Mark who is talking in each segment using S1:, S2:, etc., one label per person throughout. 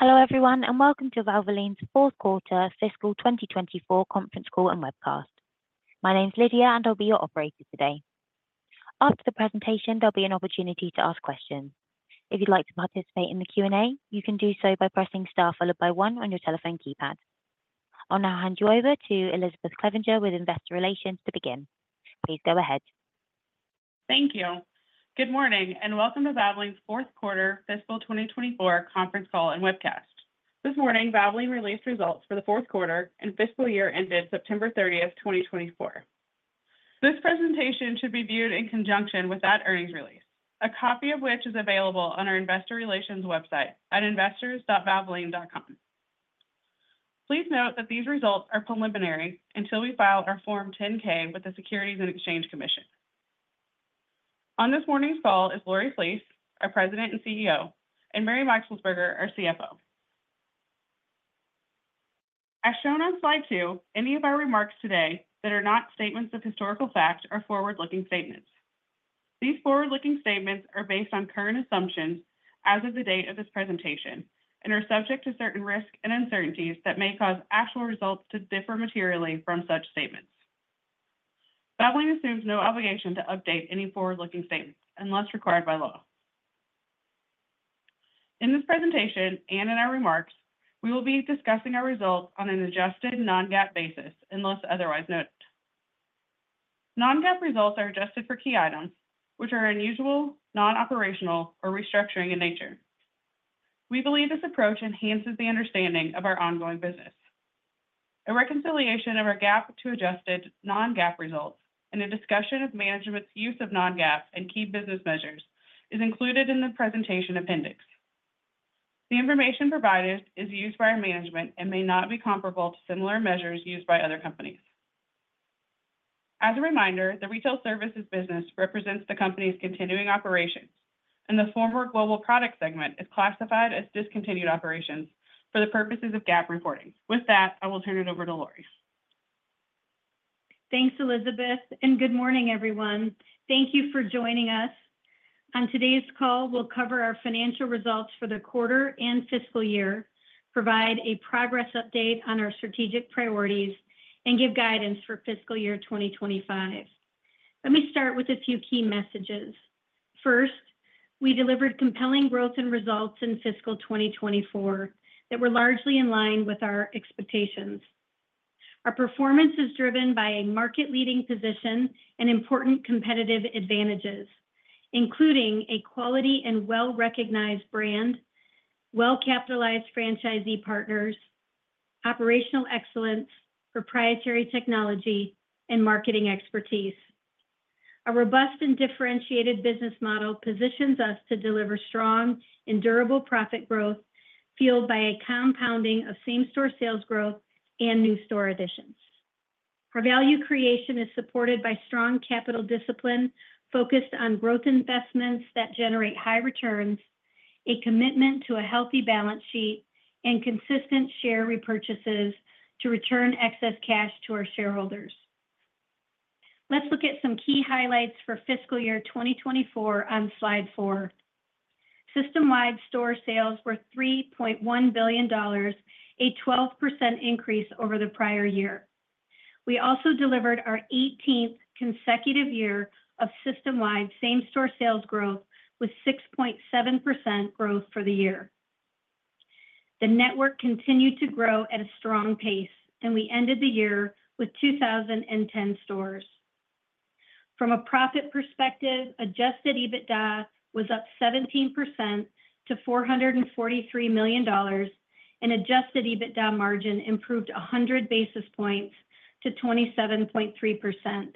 S1: Hello everyone, and welcome to Valvoline's Fourth Quarter Fiscal 2024 Conference Call and Webcast. My name's Lydia, and I'll be your operator today. After the presentation, there'll be an opportunity to ask questions. If you'd like to participate in the Q&A, you can do so by pressing star followed by one on your telephone keypad. I'll now hand you over to Elizabeth Clevinger with Investor Relations to begin. Please go ahead.
S2: Thank you. Good morning, and welcome to Valvoline's fourth quarter fiscal 2024 conference call and webcast. This morning, Valvoline released results for the fourth quarter, and fiscal year ended September 30th, 2024. This presentation should be viewed in conjunction with that earnings release, a copy of which is available on our Investor Relations website at investors.valvoline.com. Please note that these results are preliminary until we file our Form 10-K with the Securities and Exchange Commission. On this morning's call is Lori Flees, our President and CEO, and Mary Meixelsperger, our CFO. As shown on slide two, any of our remarks today that are not statements of historical fact are forward-looking statements. These forward-looking statements are based on current assumptions as of the date of this presentation and are subject to certain risks and uncertainties that may cause actual results to differ materially from such statements. Valvoline assumes no obligation to update any forward-looking statements unless required by law. In this presentation and in our remarks, we will be discussing our results on an adjusted non-GAAP basis unless otherwise noted. Non-GAAP results are adjusted for key items, which are unusual, non-operational, or restructuring in nature. We believe this approach enhances the understanding of our ongoing business. A reconciliation of our GAAP to adjusted non-GAAP results and a discussion of management's use of non-GAAP and key business measures is included in the presentation appendix. The information provided is used by our management and may not be comparable to similar measures used by other companies. As a reminder, the retail services business represents the company's continuing operations, and the former global product segment is classified as discontinued operations for the purposes of GAAP reporting. With that, I will turn it over to Lori.
S3: Thanks, Elizabeth, and good morning, everyone. Thank you for joining us. On today's call, we'll cover our financial results for the quarter and fiscal year, provide a progress update on our strategic priorities, and give guidance for fiscal year 2025. Let me start with a few key messages. First, we delivered compelling growth and results in fiscal 2024 that were largely in line with our expectations. Our performance is driven by a market-leading position and important competitive advantages, including a quality and well-recognized brand, well-capitalized franchisee partners, operational excellence, proprietary technology, and marketing expertise. A robust and differentiated business model positions us to deliver strong and durable profit growth fueled by a compounding of same-store sales growth and new store additions. Our value creation is supported by strong capital discipline focused on growth investments that generate high returns, a commitment to a healthy balance sheet, and consistent share repurchases to return excess cash to our shareholders. Let's look at some key highlights for fiscal year 2024 on slide four. System-wide store sales were $3.1 billion, a 12% increase over the prior year. We also delivered our 18th consecutive year of system-wide same-store sales growth with 6.7% growth for the year. The network continued to grow at a strong pace, and we ended the year with 2,010 stores. From a profit perspective, Adjusted EBITDA was up 17% to $443 million, and Adjusted EBITDA margin improved 100 basis points to 27.3%.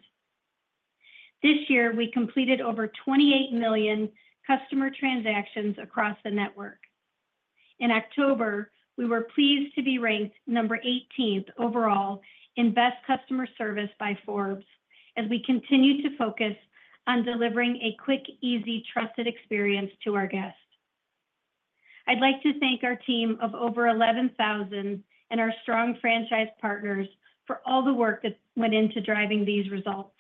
S3: This year, we completed over 28 million customer transactions across the network. In October, we were pleased to be ranked number 18th overall in best customer service by Forbes as we continue to focus on delivering a quick, easy, trusted experience to our guests. I'd like to thank our team of over 11,000 and our strong franchise partners for all the work that went into driving these results.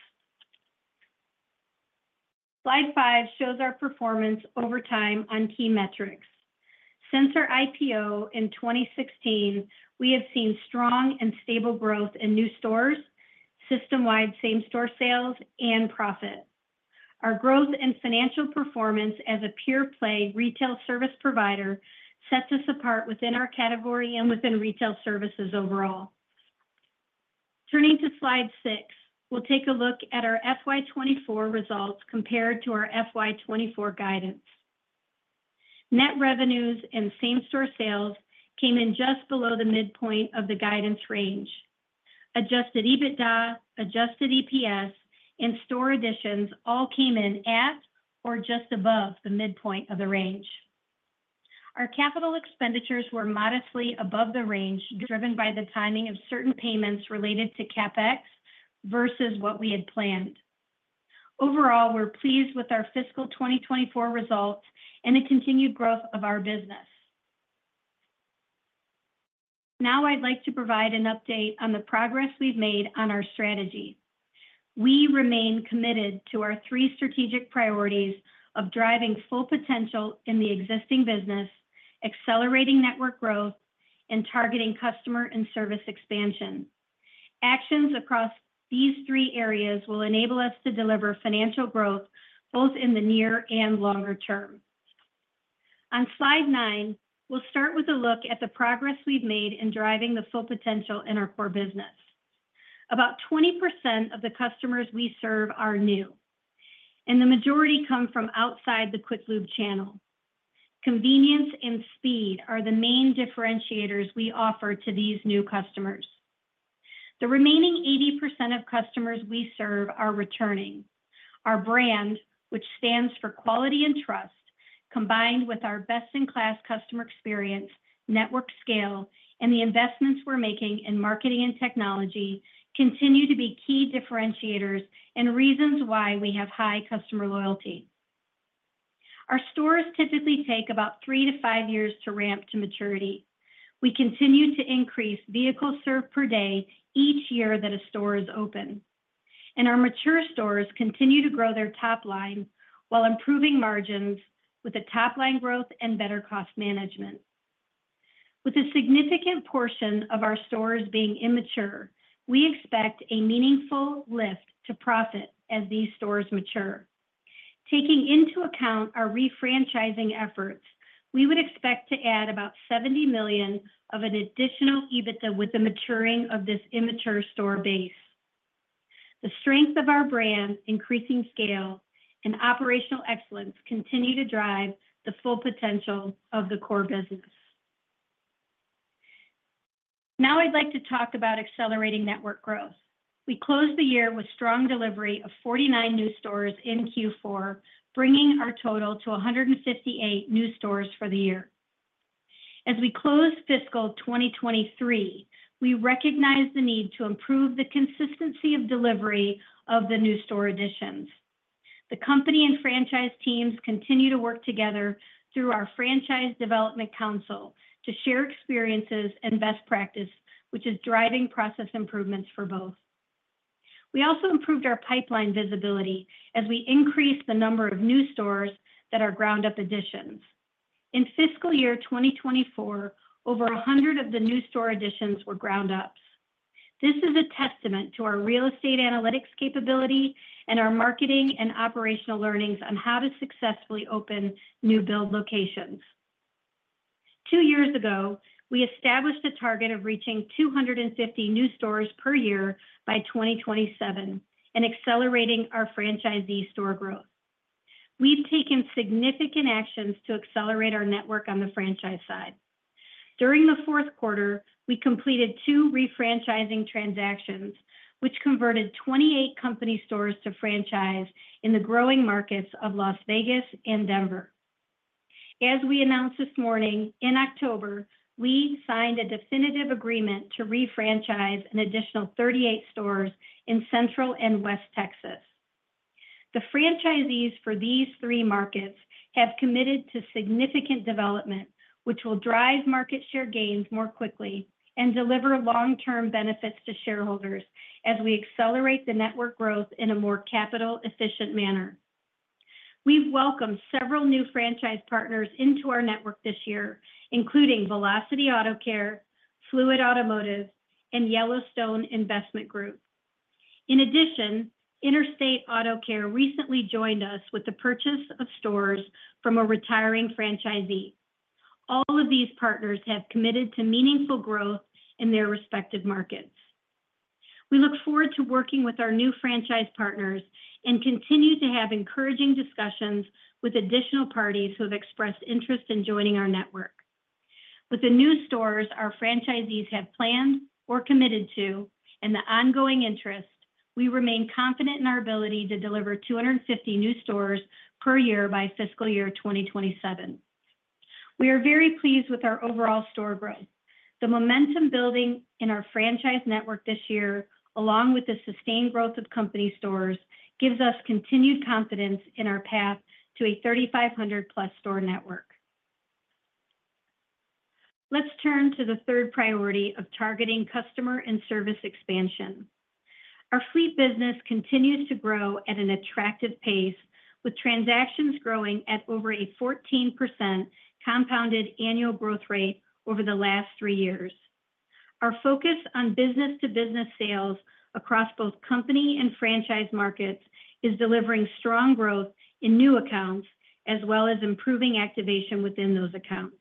S3: Slide five shows our performance over time on key metrics. Since our IPO in 2016, we have seen strong and stable growth in new stores, system-wide same-store sales, and profit. Our growth and financial performance as a pure-play retail service provider sets us apart within our category and within retail services overall. Turning to slide six, we'll take a look at our FY24 results compared to our FY24 guidance. Net revenues and same-store sales came in just below the midpoint of the guidance range. Adjusted EBITDA, adjusted EPS, and store additions all came in at or just above the midpoint of the range. Our capital expenditures were modestly above the range, driven by the timing of certain payments related to CapEx versus what we had planned. Overall, we're pleased with our fiscal 2024 results and the continued growth of our business. Now, I'd like to provide an update on the progress we've made on our strategy. We remain committed to our three strategic priorities of driving full potential in the existing business, accelerating network growth, and targeting customer and service expansion. Actions across these three areas will enable us to deliver financial growth both in the near and longer term. On slide nine, we'll start with a look at the progress we've made in driving the full potential in our core business. About 20% of the customers we serve are new, and the majority come from outside the quick lube channel. Convenience and speed are the main differentiators we offer to these new customers. The remaining 80% of customers we serve are returning. Our brand, which stands for quality and trust, combined with our best-in-class customer experience, network scale, and the investments we're making in marketing and technology, continue to be key differentiators and reasons why we have high customer loyalty. Our stores typically take about three to five years to ramp to maturity. We continue to increase vehicles served per day each year that a store is open, and our mature stores continue to grow their top line while improving margins with the top line growth and better cost management. With a significant portion of our stores being immature, we expect a meaningful lift to profit as these stores mature. Taking into account our refranchising efforts, we would expect to add about $70 million of an additional EBITDA with the maturing of this immature store base. The strength of our brand, increasing scale, and operational excellence continue to drive the full potential of the core business. Now, I'd like to talk about accelerating network growth. We closed the year with strong delivery of 49 new stores in Q4, bringing our total to 158 new stores for the year. As we close fiscal 2023, we recognize the need to improve the consistency of delivery of the new store additions. The company and franchise teams continue to work together through our Franchise Development Council to share experiences and best practices, which is driving process improvements for both. We also improved our pipeline visibility as we increased the number of new stores that are ground-up additions. In fiscal year 2024, over 100 of the new store additions were ground-ups. This is a testament to our real estate analytics capability and our marketing and operational learnings on how to successfully open new build locations. Two years ago, we established a target of reaching 250 new stores per year by 2027 and accelerating our franchisee store growth. We've taken significant actions to accelerate our network on the franchise side. During the fourth quarter, we completed two refranchising transactions, which converted 28 company stores to franchise in the growing markets of Las Vegas and Denver. As we announced this morning, in October, we signed a definitive agreement to refranchise an additional 38 stores in Central and West Texas. The franchisees for these three markets have committed to significant development, which will drive market share gains more quickly and deliver long-term benefits to shareholders as we accelerate the network growth in a more capital-efficient manner. We've welcomed several new franchise partners into our network this year, including Velocity Auto Care, Fluid Automotive, and Yellowstone Investment Group. In addition, Interstate Auto Care recently joined us with the purchase of stores from a retiring franchisee. All of these partners have committed to meaningful growth in their respective markets. We look forward to working with our new franchise partners and continue to have encouraging discussions with additional parties who have expressed interest in joining our network. With the new stores our franchisees have planned or committed to and the ongoing interest, we remain confident in our ability to deliver 250 new stores per year by fiscal year 2027. We are very pleased with our overall store growth. The momentum building in our franchise network this year, along with the sustained growth of company stores, gives us continued confidence in our path to a 3,500+ store network. Let's turn to the third priority of targeting customer and service expansion. Our fleet business continues to grow at an attractive pace, with transactions growing at over a 14% compounded annual growth rate over the last three years. Our focus on business-to-business sales across both company and franchise markets is delivering strong growth in new accounts as well as improving activation within those accounts.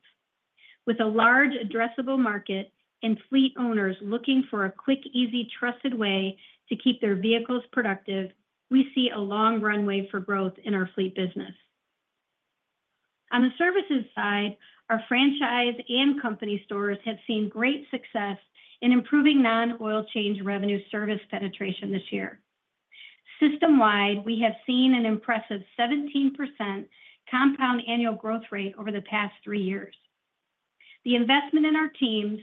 S3: With a large addressable market and fleet owners looking for a quick, easy, trusted way to keep their vehicles productive, we see a long runway for growth in our fleet business. On the services side, our franchise and company stores have seen great success in improving non-oil change revenue service penetration this year. System-wide, we have seen an impressive 17% compound annual growth rate over the past three years. The investment in our teams,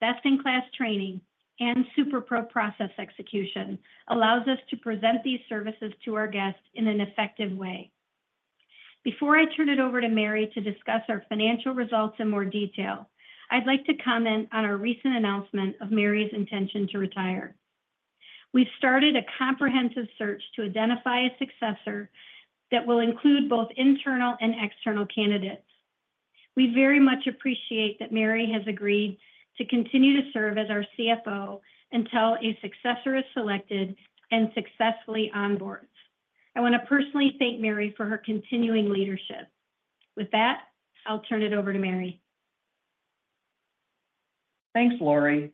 S3: best-in-class training, and SuperPro process execution allows us to present these services to our guests in an effective way. Before I turn it over to Mary to discuss our financial results in more detail, I'd like to comment on our recent announcement of Mary's intention to retire. We've started a comprehensive search to identify a successor that will include both internal and external candidates. We very much appreciate that Mary has agreed to continue to serve as our CFO until a successor is selected and successfully onboards. I want to personally thank Mary for her continuing leadership. With that, I'll turn it over to Mary.
S4: Thanks, Lori.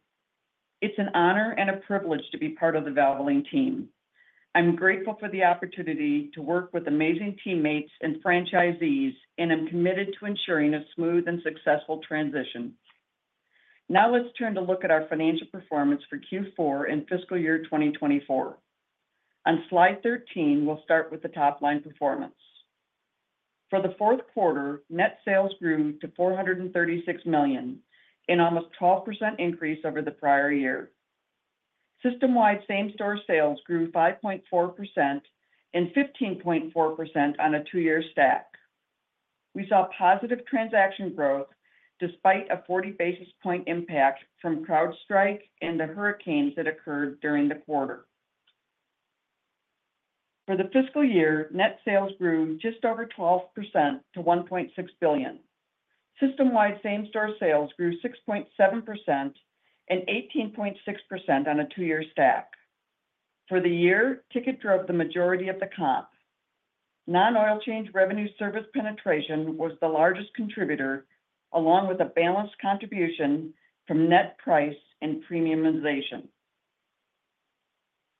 S4: It's an honor and a privilege to be part of the Valvoline team. I'm grateful for the opportunity to work with amazing teammates and franchisees, and I'm committed to ensuring a smooth and successful transition. Now, let's turn to look at our financial performance for Q4 in fiscal year 2024. On slide 13, we'll start with the top line performance. For the fourth quarter, net sales grew to $436 million and almost 12% increase over the prior year. System-wide, same-store sales grew 5.4% and 15.4% on a two-year stack. We saw positive transaction growth despite a 40 basis point impact from CrowdStrike and the hurricanes that occurred during the quarter. For the fiscal year, net sales grew just over 12% to $1.6 billion. System-wide, same-store sales grew 6.7% and 18.6% on a two-year stack. For the year, ticket drove the majority of the comp. Non-oil change revenue service penetration was the largest contributor, along with a balanced contribution from net price and premiumization.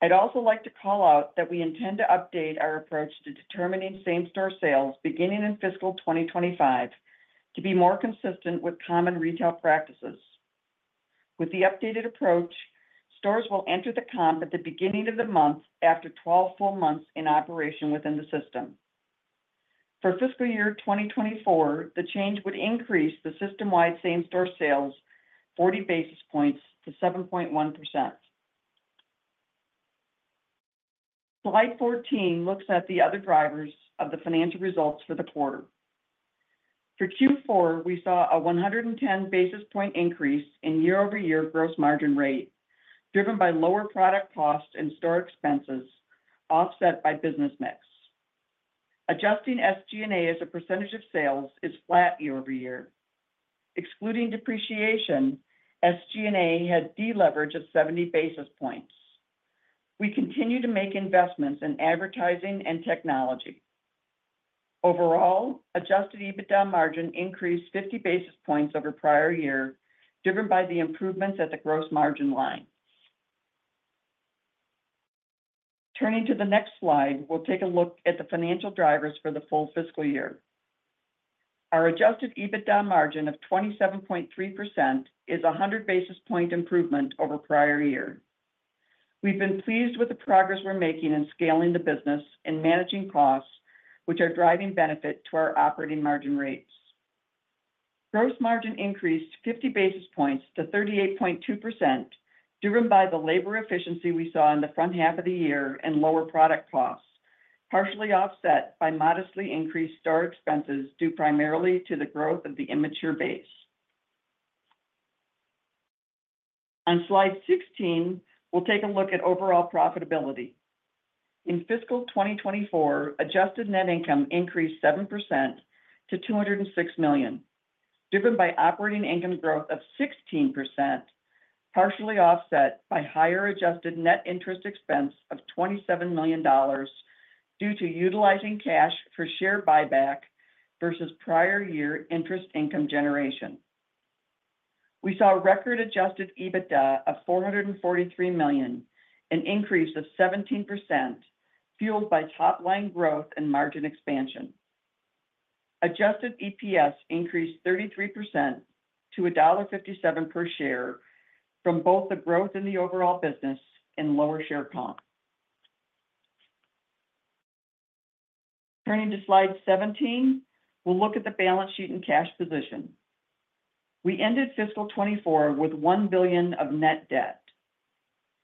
S4: I'd also like to call out that we intend to update our approach to determining same-store sales beginning in fiscal 2025 to be more consistent with common retail practices. With the updated approach, stores will enter the comp at the beginning of the month after 12 full months in operation within the system. For fiscal year 2024, the change would increase the system-wide same-store sales 40 basis points to 7.1%. Slide 14 looks at the other drivers of the financial results for the quarter. For Q4, we saw a 110 basis points increase in year-over-year gross margin rate, driven by lower product costs and store expenses offset by business mix. Adjusting SG&A as a percentage of sales is flat year-over-year. Excluding depreciation, SG&A had de-leverage of 70 basis points. We continue to make investments in advertising and technology. Overall, Adjusted EBITDA margin increased 50 basis points over prior year, driven by the improvements at the gross margin line. Turning to the next slide, we'll take a look at the financial drivers for the full fiscal year. Our Adjusted EBITDA margin of 27.3% is a 100 basis point improvement over prior year. We've been pleased with the progress we're making in scaling the business and managing costs, which are driving benefit to our operating margin rates. Gross margin increased 50 basis points to 38.2%, driven by the labor efficiency we saw in the front half of the year and lower product costs, partially offset by modestly increased store expenses due primarily to the growth of the immature base. On slide 16, we'll take a look at overall profitability. In fiscal 2024, adjusted net income increased 7% to $206 million, driven by operating income growth of 16%, partially offset by higher adjusted net interest expense of $27 million due to utilizing cash for share buyback versus prior year interest income generation. We saw record adjusted EBITDA of $443 million, an increase of 17%, fueled by top line growth and margin expansion. Adjusted EPS increased 33% to $1.57 per share from both the growth in the overall business and lower share comp. Turning to slide 17, we'll look at the balance sheet and cash position. We ended fiscal 2024 with $1 billion of net debt.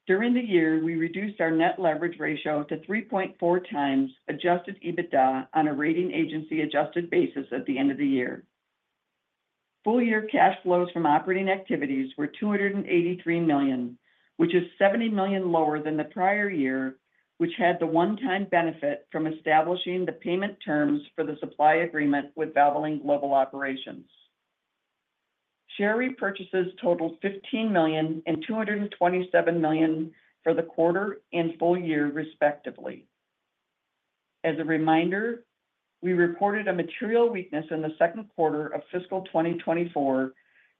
S4: During the year, we reduced our net leverage ratio to 3.4 times adjusted EBITDA on a rating agency-adjusted basis at the end of the year. Full-year cash flows from operating activities were $283 million, which is $70 million lower than the prior year, which had the one-time benefit from establishing the payment terms for the supply agreement with Valvoline Global Operations. Share repurchases totaled $15 million and $227 million for the quarter and full year, respectively. As a reminder, we reported a material weakness in the second quarter of fiscal 2024,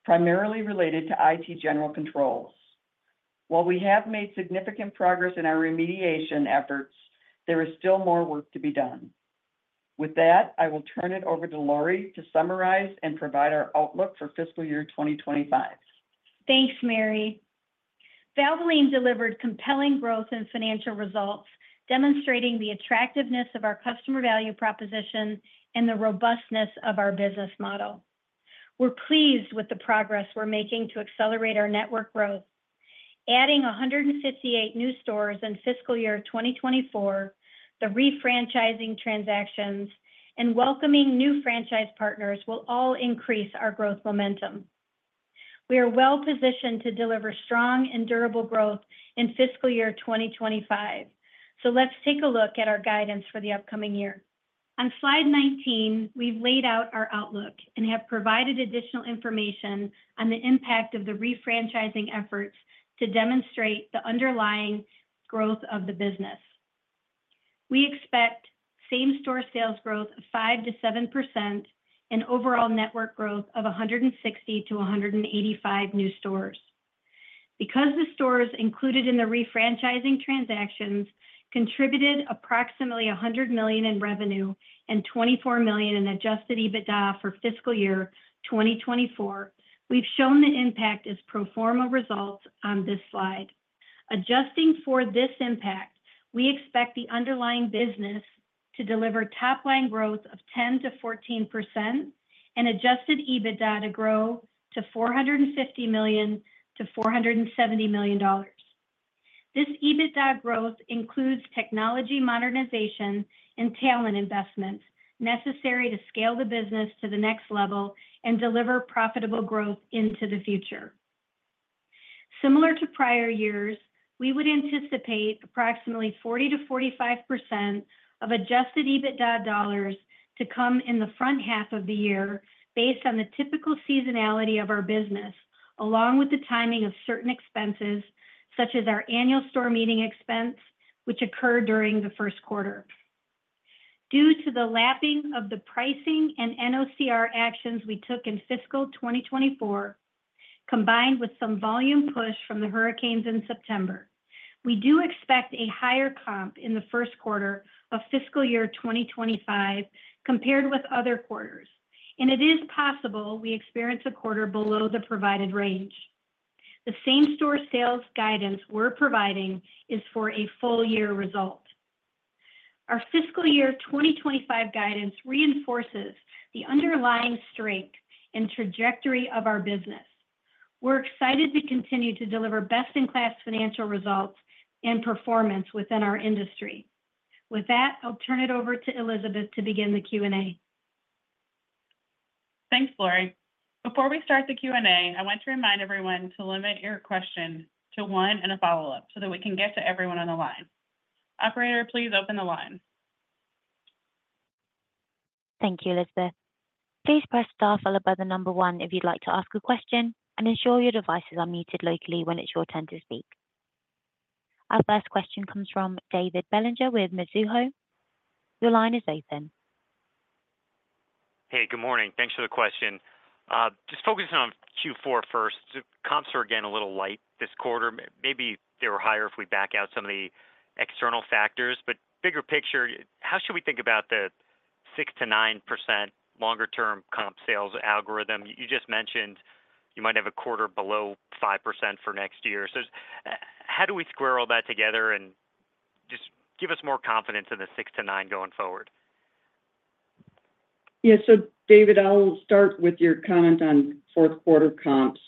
S4: primarily related to IT general controls. While we have made significant progress in our remediation efforts, there is still more work to be done. With that, I will turn it over to Lori to summarize and provide our outlook for fiscal year 2025.
S3: Thanks, Mary. Valvoline delivered compelling growth in financial results, demonstrating the attractiveness of our customer value proposition and the robustness of our business model. We're pleased with the progress we're making to accelerate our network growth. Adding 158 new stores in fiscal year 2024, the refranchising transactions, and welcoming new franchise partners will all increase our growth momentum. We are well-positioned to deliver strong and durable growth in fiscal year 2025. So let's take a look at our guidance for the upcoming year. On slide 19, we've laid out our outlook and have provided additional information on the impact of the refranchising efforts to demonstrate the underlying growth of the business. We expect same-store sales growth of 5%-7% and overall network growth of 160-185 new stores. Because the stores included in the refranchising transactions contributed approximately $100 million in revenue and $24 million in adjusted EBITDA for fiscal year 2024, we've shown the impact as pro forma results on this slide. Adjusting for this impact, we expect the underlying business to deliver top line growth of 10%-14% and adjusted EBITDA to grow to $450 million-$470 million. This EBITDA growth includes technology modernization and talent investments necessary to scale the business to the next level and deliver profitable growth into the future. Similar to prior years, we would anticipate approximately 40%-45% of adjusted EBITDA dollars to come in the front half of the year based on the typical seasonality of our business, along with the timing of certain expenses, such as our annual store meeting expense, which occurred during the first quarter. Due to the lapping of the pricing and NOCR actions we took in fiscal 2024, combined with some volume push from the hurricanes in September, we do expect a higher comp in the first quarter of fiscal year 2025 compared with other quarters, and it is possible we experience a quarter below the provided range. The same-store sales guidance we're providing is for a full year result. Our fiscal year 2025 guidance reinforces the underlying strength and trajectory of our business. We're excited to continue to deliver best-in-class financial results and performance within our industry. With that, I'll turn it over to Elizabeth to begin the Q&A.
S2: Thanks, Lori. Before we start the Q&A, I want to remind everyone to limit your question to one and a follow-up so that we can get to everyone on the line. Operator, please open the line.
S1: Thank you, Elizabeth. Please press star followed by the number one if you'd like to ask a question and ensure your devices are muted locally when it's your turn to speak. Our first question comes from David Bellinger with Mizuho. Your line is open.
S5: Hey, good morning. Thanks for the question. Just focusing on Q4 first. Comps are again a little light this quarter. Maybe they were higher if we back out some of the external factors. But bigger picture, how should we think about the 6%-9% longer-term comp sales algorithm? You just mentioned you might have a quarter below 5% for next year. So how do we square all that together and just give us more confidence in the 6%-9% going forward?
S4: Yeah, so David, I'll start with your comment on fourth quarter comps.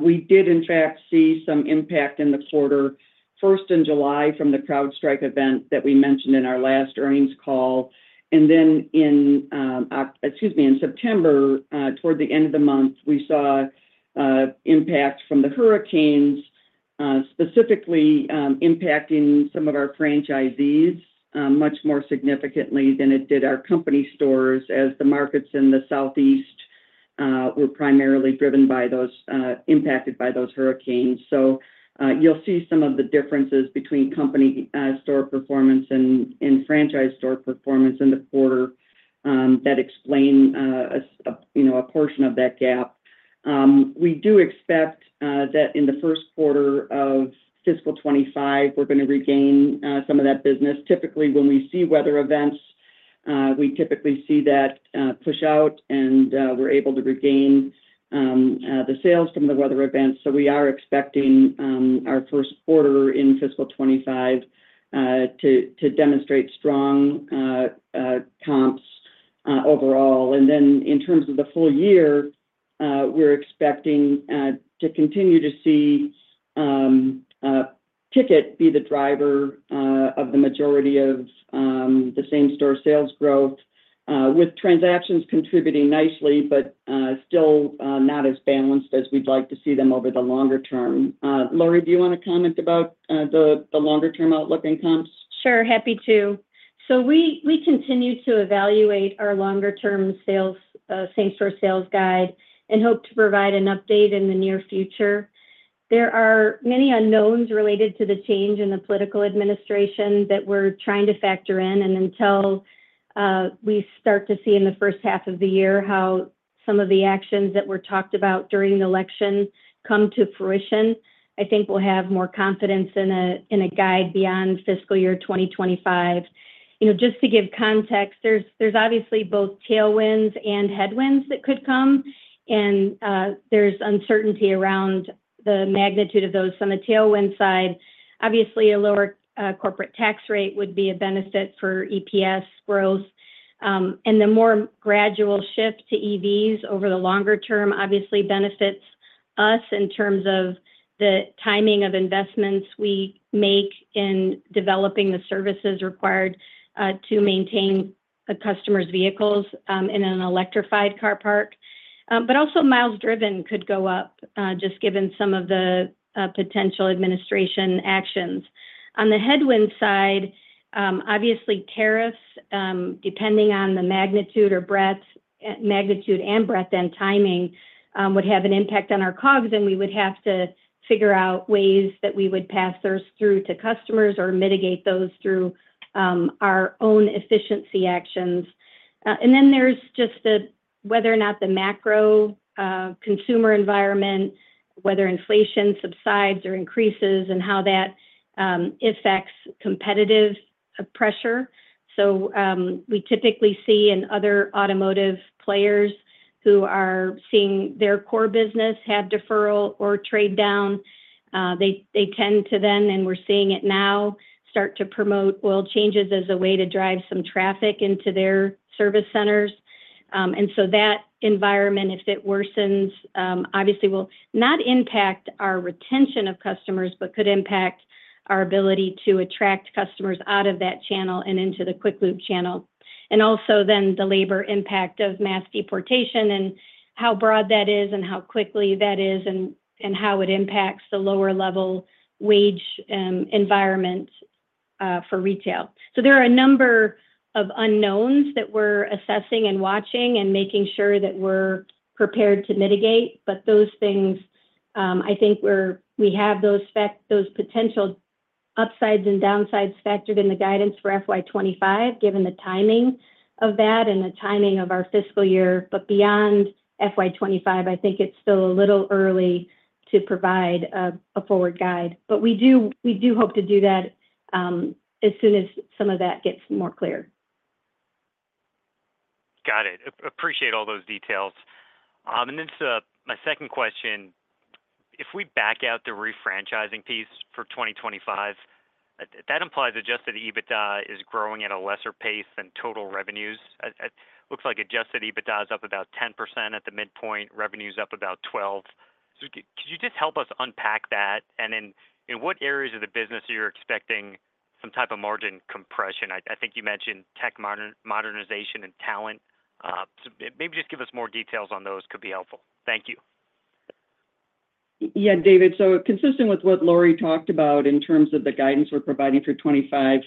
S4: We did, in fact, see some impact in the quarter, first in July from the CrowdStrike event that we mentioned in our last earnings call, and then in, excuse me, in September, toward the end of the month, we saw impact from the hurricanes, specifically impacting some of our franchisees much more significantly than it did our company stores as the markets in the southeast were primarily driven by those impacted by those hurricanes, so you'll see some of the differences between company store performance and franchise store performance in the quarter that explain a portion of that gap. We do expect that in the first quarter of fiscal 25, we're going to regain some of that business. Typically, when we see weather events, we typically see that push out, and we're able to regain the sales from the weather events. So we are expecting our first quarter in fiscal 2025 to demonstrate strong comps overall. And then in terms of the full year, we're expecting to continue to see ticket be the driver of the majority of the same-store sales growth, with transactions contributing nicely, but still not as balanced as we'd like to see them over the longer term. Lori, do you want to comment about the longer-term outlook in comps?
S3: Sure, happy to. So we continue to evaluate our longer-term sales same-store sales guide and hope to provide an update in the near future. There are many unknowns related to the change in the political administration that we're trying to factor in. And until we start to see in the first half of the year how some of the actions that were talked about during the election come to fruition, I think we'll have more confidence in a guide beyond fiscal year 2025. Just to give context, there's obviously both tailwinds and headwinds that could come. And there's uncertainty around the magnitude of those. On the tailwind side, obviously, a lower corporate tax rate would be a benefit for EPS growth. And the more gradual shift to EVs over the longer term obviously benefits us in terms of the timing of investments we make in developing the services required to maintain a customer's vehicles in an electrified car park. But also miles driven could go up, just given some of the potential administration actions. On the headwind side, obviously, tariffs, depending on the magnitude and breadth and timing, would have an impact on our COGS, and we would have to figure out ways that we would pass those through to customers or mitigate those through our own efficiency actions. And then there's just whether or not the macro consumer environment, whether inflation subsides or increases, and how that affects competitive pressure. So we typically see in other automotive players who are seeing their core business have deferral or trade down. They tend to then, and we're seeing it now, start to promote oil changes as a way to drive some traffic into their service centers. And so that environment, if it worsens, obviously will not impact our retention of customers, but could impact our ability to attract customers out of that channel and into the quick lube channel. And also then the labor impact of mass deportation and how broad that is and how quickly that is and how it impacts the lower-level wage environment for retail. So there are a number of unknowns that we're assessing and watching and making sure that we're prepared to mitigate. But those things, I think we have those potential upsides and downsides factored in the guidance for FY25, given the timing of that and the timing of our fiscal year. But beyond FY25, I think it's still a little early to provide a forward guide. But we do hope to do that as soon as some of that gets more clear.
S5: Got it. Appreciate all those details. And then my second question, if we back out the refranchising piece for 2025, that implies Adjusted EBITDA is growing at a lesser pace than total revenues. It looks like Adjusted EBITDA is up about 10% at the midpoint, revenues up about 12%. So could you just help us unpack that? And then in what areas of the business are you expecting some type of margin compression? I think you mentioned tech modernization and talent. Maybe just give us more details on those could be helpful. Thank you.
S4: Yeah, David. So consistent with what Lori talked about in terms of the guidance we're providing for 2025,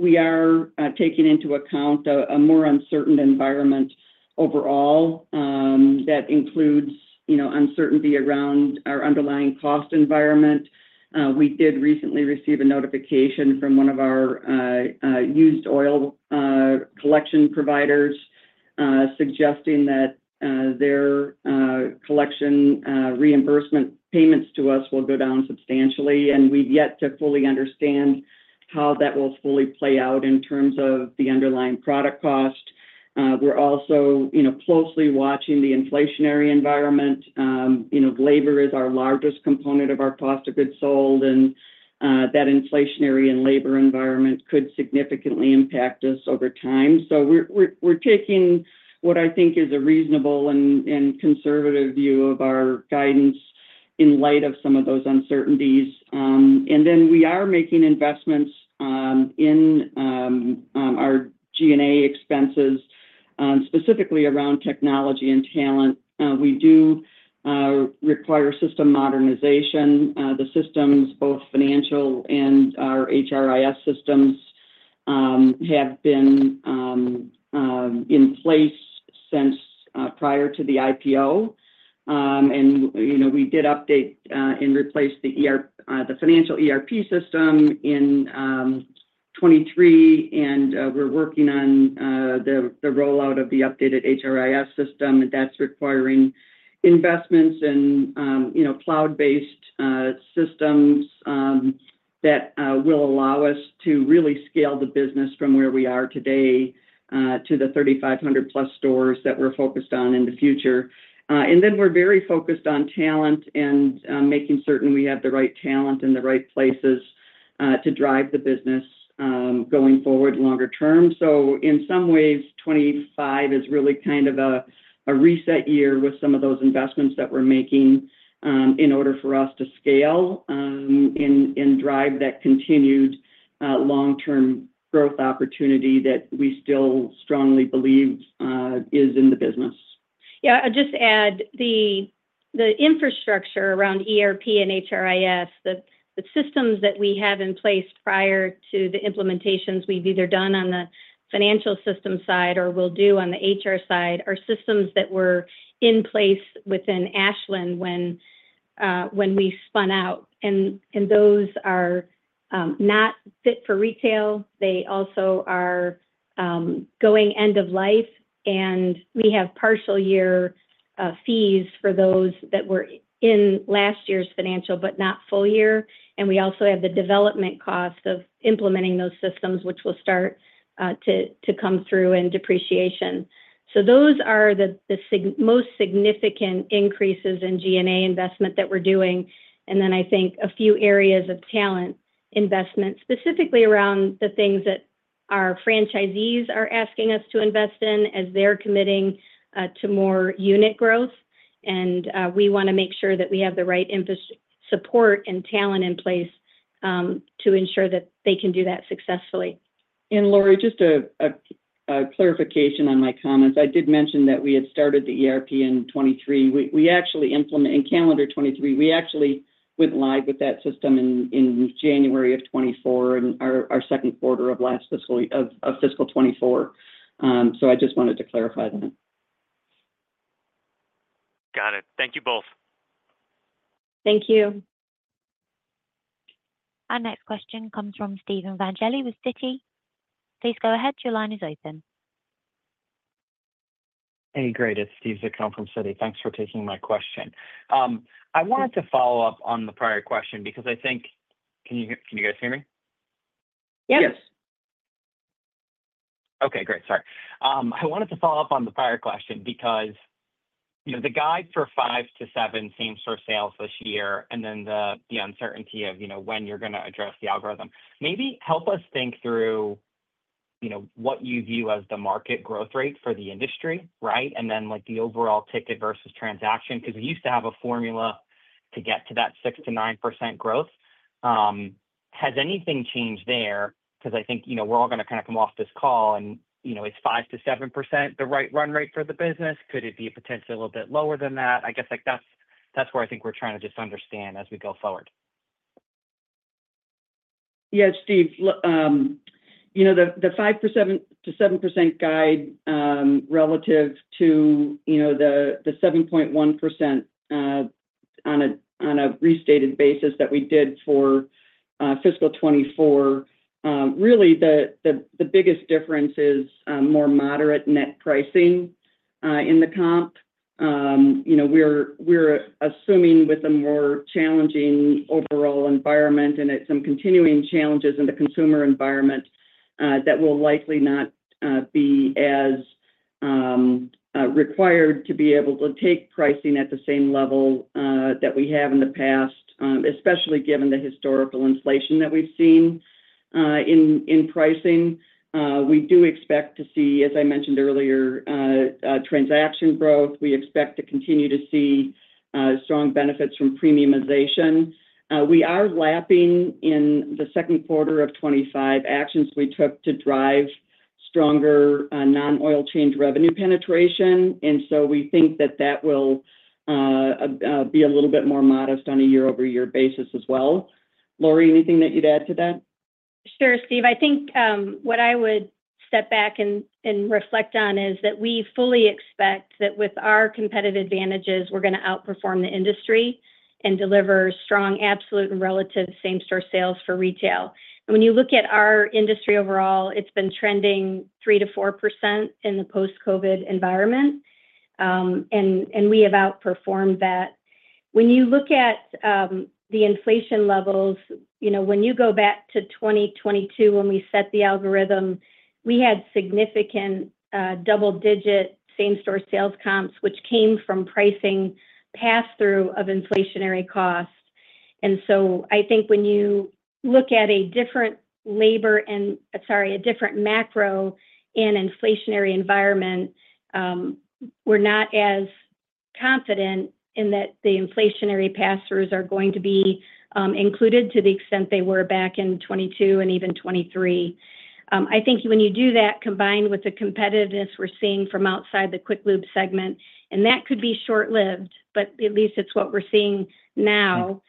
S4: we are taking into account a more uncertain environment overall that includes uncertainty around our underlying cost environment. We did recently receive a notification from one of our used oil collection providers suggesting that their collection reimbursement payments to us will go down substantially, and we've yet to fully understand how that will fully play out in terms of the underlying product cost. We're also closely watching the inflationary environment. Labor is our largest component of our cost of goods sold, and that inflationary and labor environment could significantly impact us over time, so we're taking what I think is a reasonable and conservative view of our guidance in light of some of those uncertainties, and then we are making investments in our G&A expenses, specifically around technology and talent. We do require system modernization. The systems, both financial and our HRIS systems, have been in place since prior to the IPO. And we did update and replace the financial ERP system in 2023, and we're working on the rollout of the updated HRIS system. And that's requiring investments in cloud-based systems that will allow us to really scale the business from where we are today to the 3,500-plus stores that we're focused on in the future. And then we're very focused on talent and making certain we have the right talent in the right places to drive the business going forward longer term. So in some ways, 2025 is really kind of a reset year with some of those investments that we're making in order for us to scale and drive that continued long-term growth opportunity that we still strongly believe is in the business.
S3: Yeah, I'll just add the infrastructure around ERP and HRIS, the systems that we have in place prior to the implementations we've either done on the financial system side or will do on the HR side are systems that were in place within Ashland when we spun out. And those are not fit for retail. They also are going end of life. And we have partial year fees for those that were in last year's financial, but not full year. And we also have the development cost of implementing those systems, which will start to come through in depreciation. So those are the most significant increases in G&A investment that we're doing. And then I think a few areas of talent investment, specifically around the things that our franchisees are asking us to invest in as they're committing to more unit growth. We want to make sure that we have the right support and talent in place to ensure that they can do that successfully.
S4: Lori, just a clarification on my comments. I did mention that we had started the ERP in 2023. In calendar 2023, we actually went live with that system in January of 2024 and our second quarter of fiscal 2024. So I just wanted to clarify that.
S5: Got it. Thank you both.
S3: Thank you.
S1: Our next question comes from Steve Zaccone with Citi. Please go ahead. Your line is open.
S6: Hey, great. It's Steve Zaccone from Citi. Thanks for taking my question. I wanted to follow up on the prior question because I think, can you guys hear me?
S4: Yes.
S6: Okay, great. Sorry. I wanted to follow up on the prior question because the guide for 5%-7% same-store sales this year and then the uncertainty of when you're going to address the algorithm. Maybe help us think through what you view as the market growth rate for the industry, right? And then the overall ticket versus transaction because we used to have a formula to get to that 6%-9% growth. Has anything changed there? Because I think we're all going to kind of come off this call and it's 5%-7% the right run rate for the business. Could it be potentially a little bit lower than that? I guess that's where I think we're trying to just understand as we go forward.
S4: Yeah, Steve, the 5%-7% guide relative to the 7.1% on a restated basis that we did for fiscal 2024, really the biggest difference is more moderate net pricing in the comp. We're assuming with a more challenging overall environment and some continuing challenges in the consumer environment that will likely not be as required to be able to take pricing at the same level that we have in the past, especially given the historical inflation that we've seen in pricing. We do expect to see, as I mentioned earlier, transaction growth. We expect to continue to see strong benefits from premiumization. We are lapping in the second quarter of 2025 actions we took to drive stronger non-oil change revenue penetration. And so we think that that will be a little bit more modest on a year-over-year basis as well. Lori, anything that you'd add to that?
S3: Sure, Steve. I think what I would step back and reflect on is that we fully expect that with our competitive advantages, we're going to outperform the industry and deliver strong, absolute, and relative same-store sales for retail. And when you look at our industry overall, it's been trending 3%-4% in the post-COVID environment. And we have outperformed that. When you look at the inflation levels, when you go back to 2022, when we set the algorithm, we had significant double-digit same-store sales comps, which came from pricing pass-through of inflationary costs. And so I think when you look at a different labor and, sorry, a different macro and inflationary environment, we're not as confident in that the inflationary pass-throughs are going to be included to the extent they were back in 2022 and even 2023. I think when you do that, combined with the competitiveness we're seeing from outside the quick lube segment, and that could be short-lived, but at least it's what we're seeing now,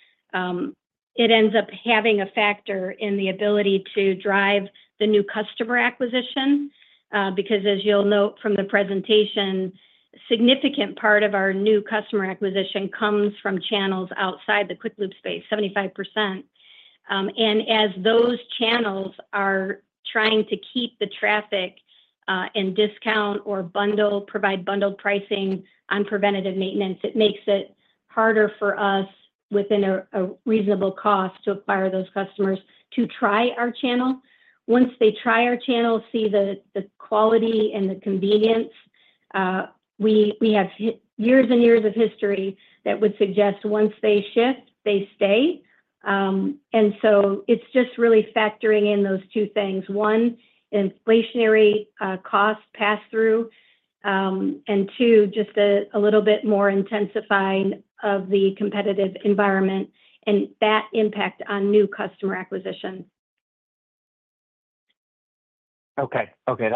S3: it ends up having a factor in the ability to drive the new customer acquisition. Because as you'll note from the presentation, a significant part of our new customer acquisition comes from channels outside the quick lube space, 75%. And as those channels are trying to keep the traffic and discount or provide bundled pricing on preventative maintenance, it makes it harder for us within a reasonable cost to acquire those customers to try our channel. Once they try our channel, see the quality and the convenience, we have years and years of history that would suggest once they shift, they stay. And so it's just really factoring in those two things. One, inflationary cost pass-through, and two, just a little bit more intensifying of the competitive environment and that impact on new customer acquisition.
S6: Okay. Okay.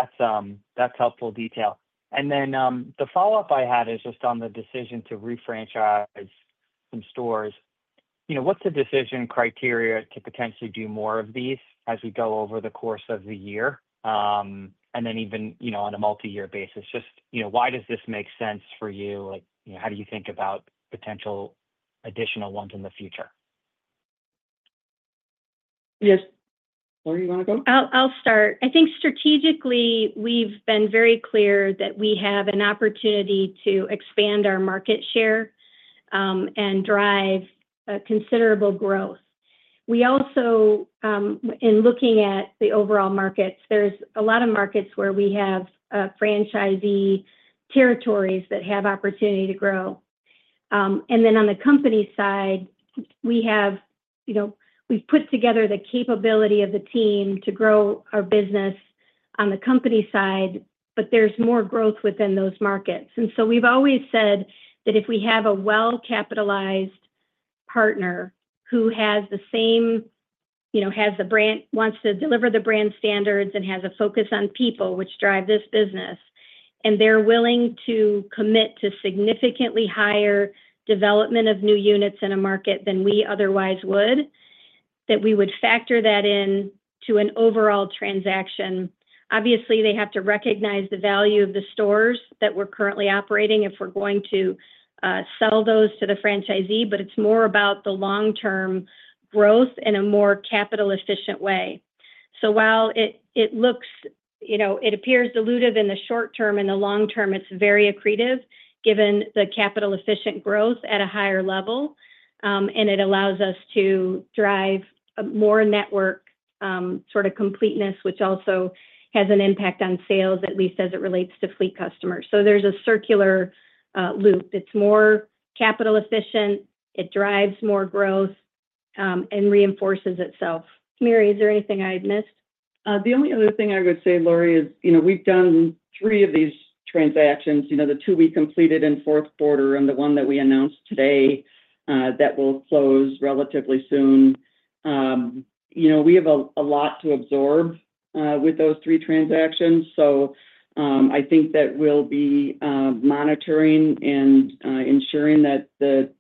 S6: That's helpful detail. And then the follow-up I had is just on the decision to refranchise some stores. What's the decision criteria to potentially do more of these as we go over the course of the year? And then even on a multi-year basis, just why does this make sense for you? How do you think about potential additional ones in the future?
S4: Yes. Lori, you want to go?
S3: I'll start. I think strategically, we've been very clear that we have an opportunity to expand our market share and drive considerable growth. We also, in looking at the overall markets, there's a lot of markets where we have franchisee territories that have opportunity to grow. And then on the company side, we've put together the capability of the team to grow our business on the company side, but there's more growth within those markets. And so we've always said that if we have a well-capitalized partner who has the same, wants to deliver the brand standards and has a focus on people, which drive this business, and they're willing to commit to significantly higher development of new units in a market than we otherwise would, that we would factor that into an overall transaction. Obviously, they have to recognize the value of the stores that we're currently operating if we're going to sell those to the franchisee, but it's more about the long-term growth in a more capital-efficient way. So while it looks, it appears dilutive in the short term, in the long term, it's very accretive given the capital-efficient growth at a higher level. And it allows us to drive a more network sort of completeness, which also has an impact on sales, at least as it relates to fleet customers. So there's a circular loop. It's more capital-efficient. It drives more growth and reinforces itself. Mary, is there anything I missed?
S4: The only other thing I would say, Lori, is we've done three of these transactions, the two we completed in fourth quarter and the one that we announced today that will close relatively soon. We have a lot to absorb with those three transactions. So I think that we'll be monitoring and ensuring that the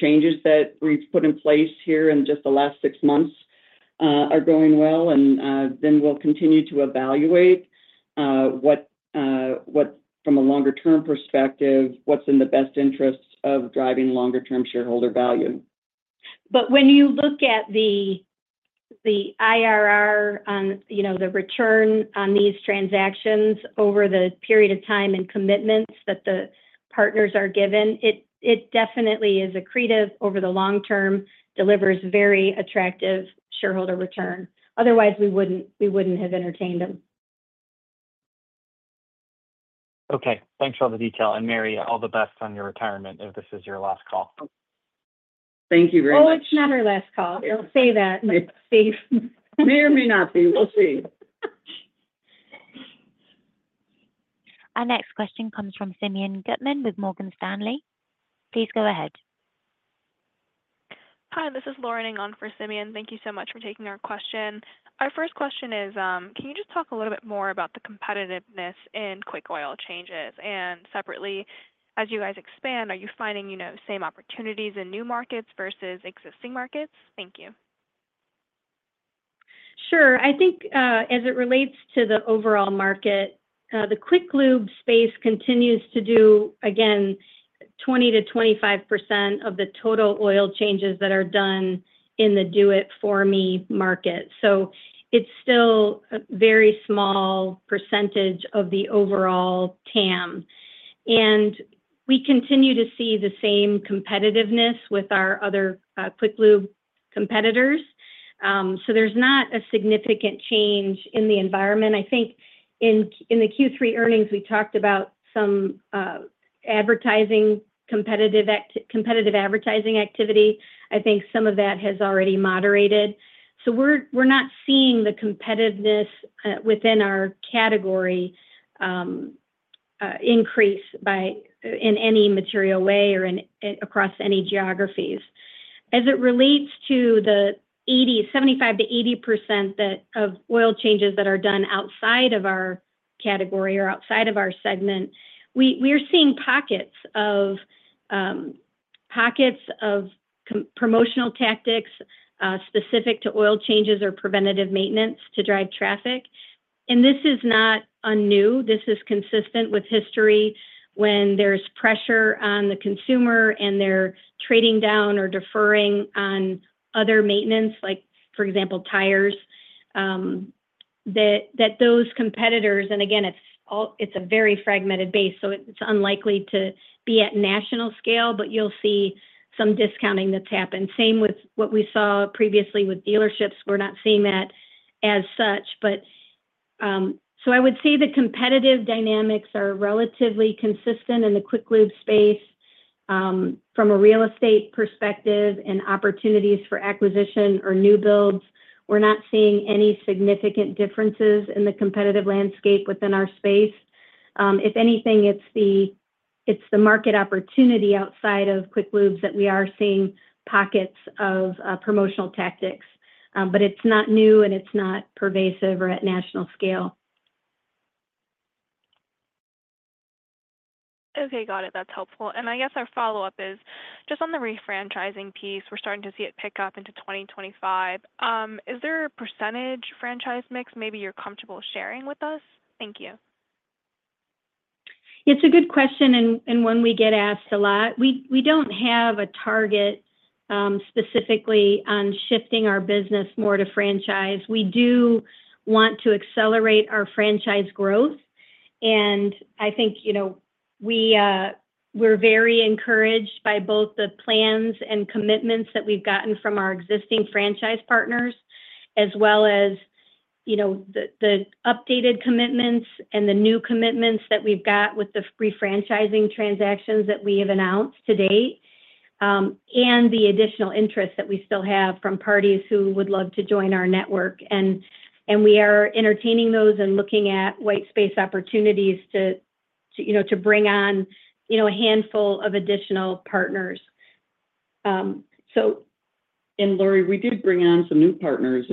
S4: changes that we've put in place here in just the last six months are going well. And then we'll continue to evaluate from a longer-term perspective, what's in the best interests of driving longer-term shareholder value.
S3: But when you look at the IRR, the return on these transactions over the period of time and commitments that the partners are given, it definitely is accretive over the long term, delivers very attractive shareholder return. Otherwise, we wouldn't have entertained them.
S6: Okay. Thanks for all the detail, and Mary, all the best on your retirement if this is your last call.
S4: Thank you very much.
S3: Oh, it's not our last call. I'll say that.
S4: It may or may not be. We'll see.
S1: Our next question comes from Simeon Gutman with Morgan Stanley. Please go ahead.
S7: Hi, this is Lauren Ng for Simeon. Thank you so much for taking our question. Our first question is, can you just talk a little bit more about the competitiveness in quick oil changes? And separately, as you guys expand, are you finding same opportunities in new markets versus existing markets? Thank you.
S3: Sure. I think as it relates to the overall market, the quick lube space continues to do, again, 20%-25% of the total oil changes that are done in the do-it-for-me market. So it's still a very small percentage of the overall TAM. And we continue to see the same competitiveness with our other quick lube competitors. So there's not a significant change in the environment. I think in the Q3 earnings, we talked about some competitive advertising activity. I think some of that has already moderated. So we're not seeing the competitiveness within our category increase in any material way or across any geographies. As it relates to the 75%-80% of oil changes that are done outside of our category or outside of our segment, we are seeing pockets of promotional tactics specific to oil changes or preventative maintenance to drive traffic. This is not new. This is consistent with history when there's pressure on the consumer and they're trading down or deferring on other maintenance, for example, tires, that those competitors, and again, it's a very fragmented base, so it's unlikely to be at national scale, but you'll see some discounting that's happened. Same with what we saw previously with dealerships. We're not seeing that as such. So I would say the competitive dynamics are relatively consistent in the quick lube space from a real estate perspective and opportunities for acquisition or new builds. We're not seeing any significant differences in the competitive landscape within our space. If anything, it's the market opportunity outside of quick lubes that we are seeing pockets of promotional tactics. But it's not new and it's not pervasive or at national scale.
S7: Okay. Got it. That's helpful. And I guess our follow-up is just on the refranchising piece. We're starting to see it pick up into 2025. Is there a percentage franchise mix maybe you're comfortable sharing with us? Thank you.
S3: It's a good question and one we get asked a lot. We don't have a target specifically on shifting our business more to franchise. We do want to accelerate our franchise growth, and I think we're very encouraged by both the plans and commitments that we've gotten from our existing franchise partners, as well as the updated commitments and the new commitments that we've got with the refranchising transactions that we have announced to date, and the additional interest that we still have from parties who would love to join our network, and we are entertaining those and looking at white space opportunities to bring on a handful of additional partners.
S4: Lori, we did bring on some new partners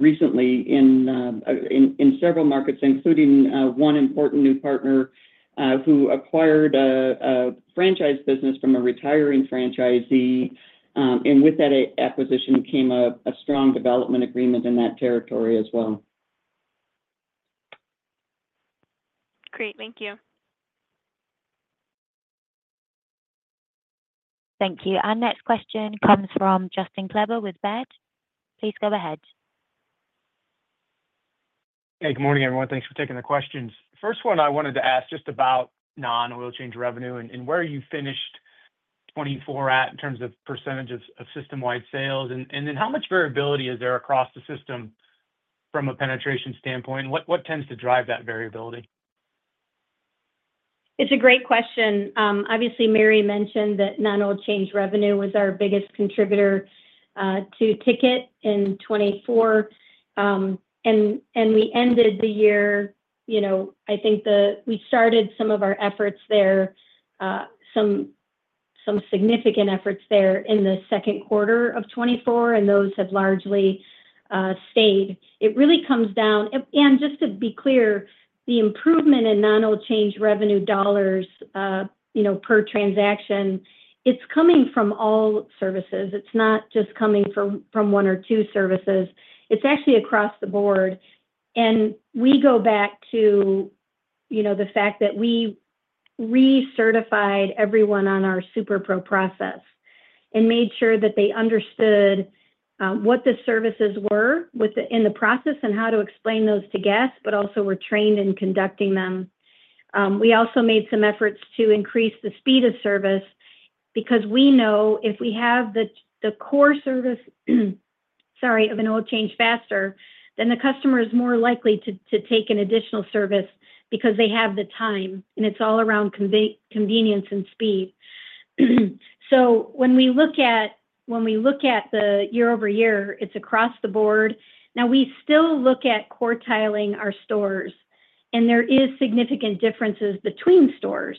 S4: recently in several markets, including one important new partner who acquired a franchise business from a retiring franchisee. With that acquisition came a strong development agreement in that territory as well.
S7: Great. Thank you.
S1: Thank you. Our next question comes from Justin Kleber with Baird. Please go ahead.
S8: Hey, good morning, everyone. Thanks for taking the questions. First one, I wanted to ask just about non-oil change revenue and where you finished 2024 at in terms of percentage of system-wide sales. And then how much variability is there across the system from a penetration standpoint? And what tends to drive that variability?
S3: It's a great question. Obviously, Mary mentioned that non-oil change revenue was our biggest contributor to ticket in 2024. And we ended the year, I think we started some of our efforts there, some significant efforts there in the second quarter of 2024, and those have largely stayed. It really comes down, and just to be clear, the improvement in non-oil change revenue dollars per transaction, it's coming from all services. It's not just coming from one or two services. It's actually across the board. And we go back to the fact that we recertified everyone on our Super Pro process and made sure that they understood what the services were in the process and how to explain those to guests, but also were trained in conducting them. We also made some efforts to increase the speed of service because we know if we have the core service, sorry, of an oil change faster, then the customer is more likely to take an additional service because they have the time, and it's all around convenience and speed, so when we look at, when we look at the year-over-year, it's across the board. Now, we still look at quartiling our stores, and there are significant differences between stores,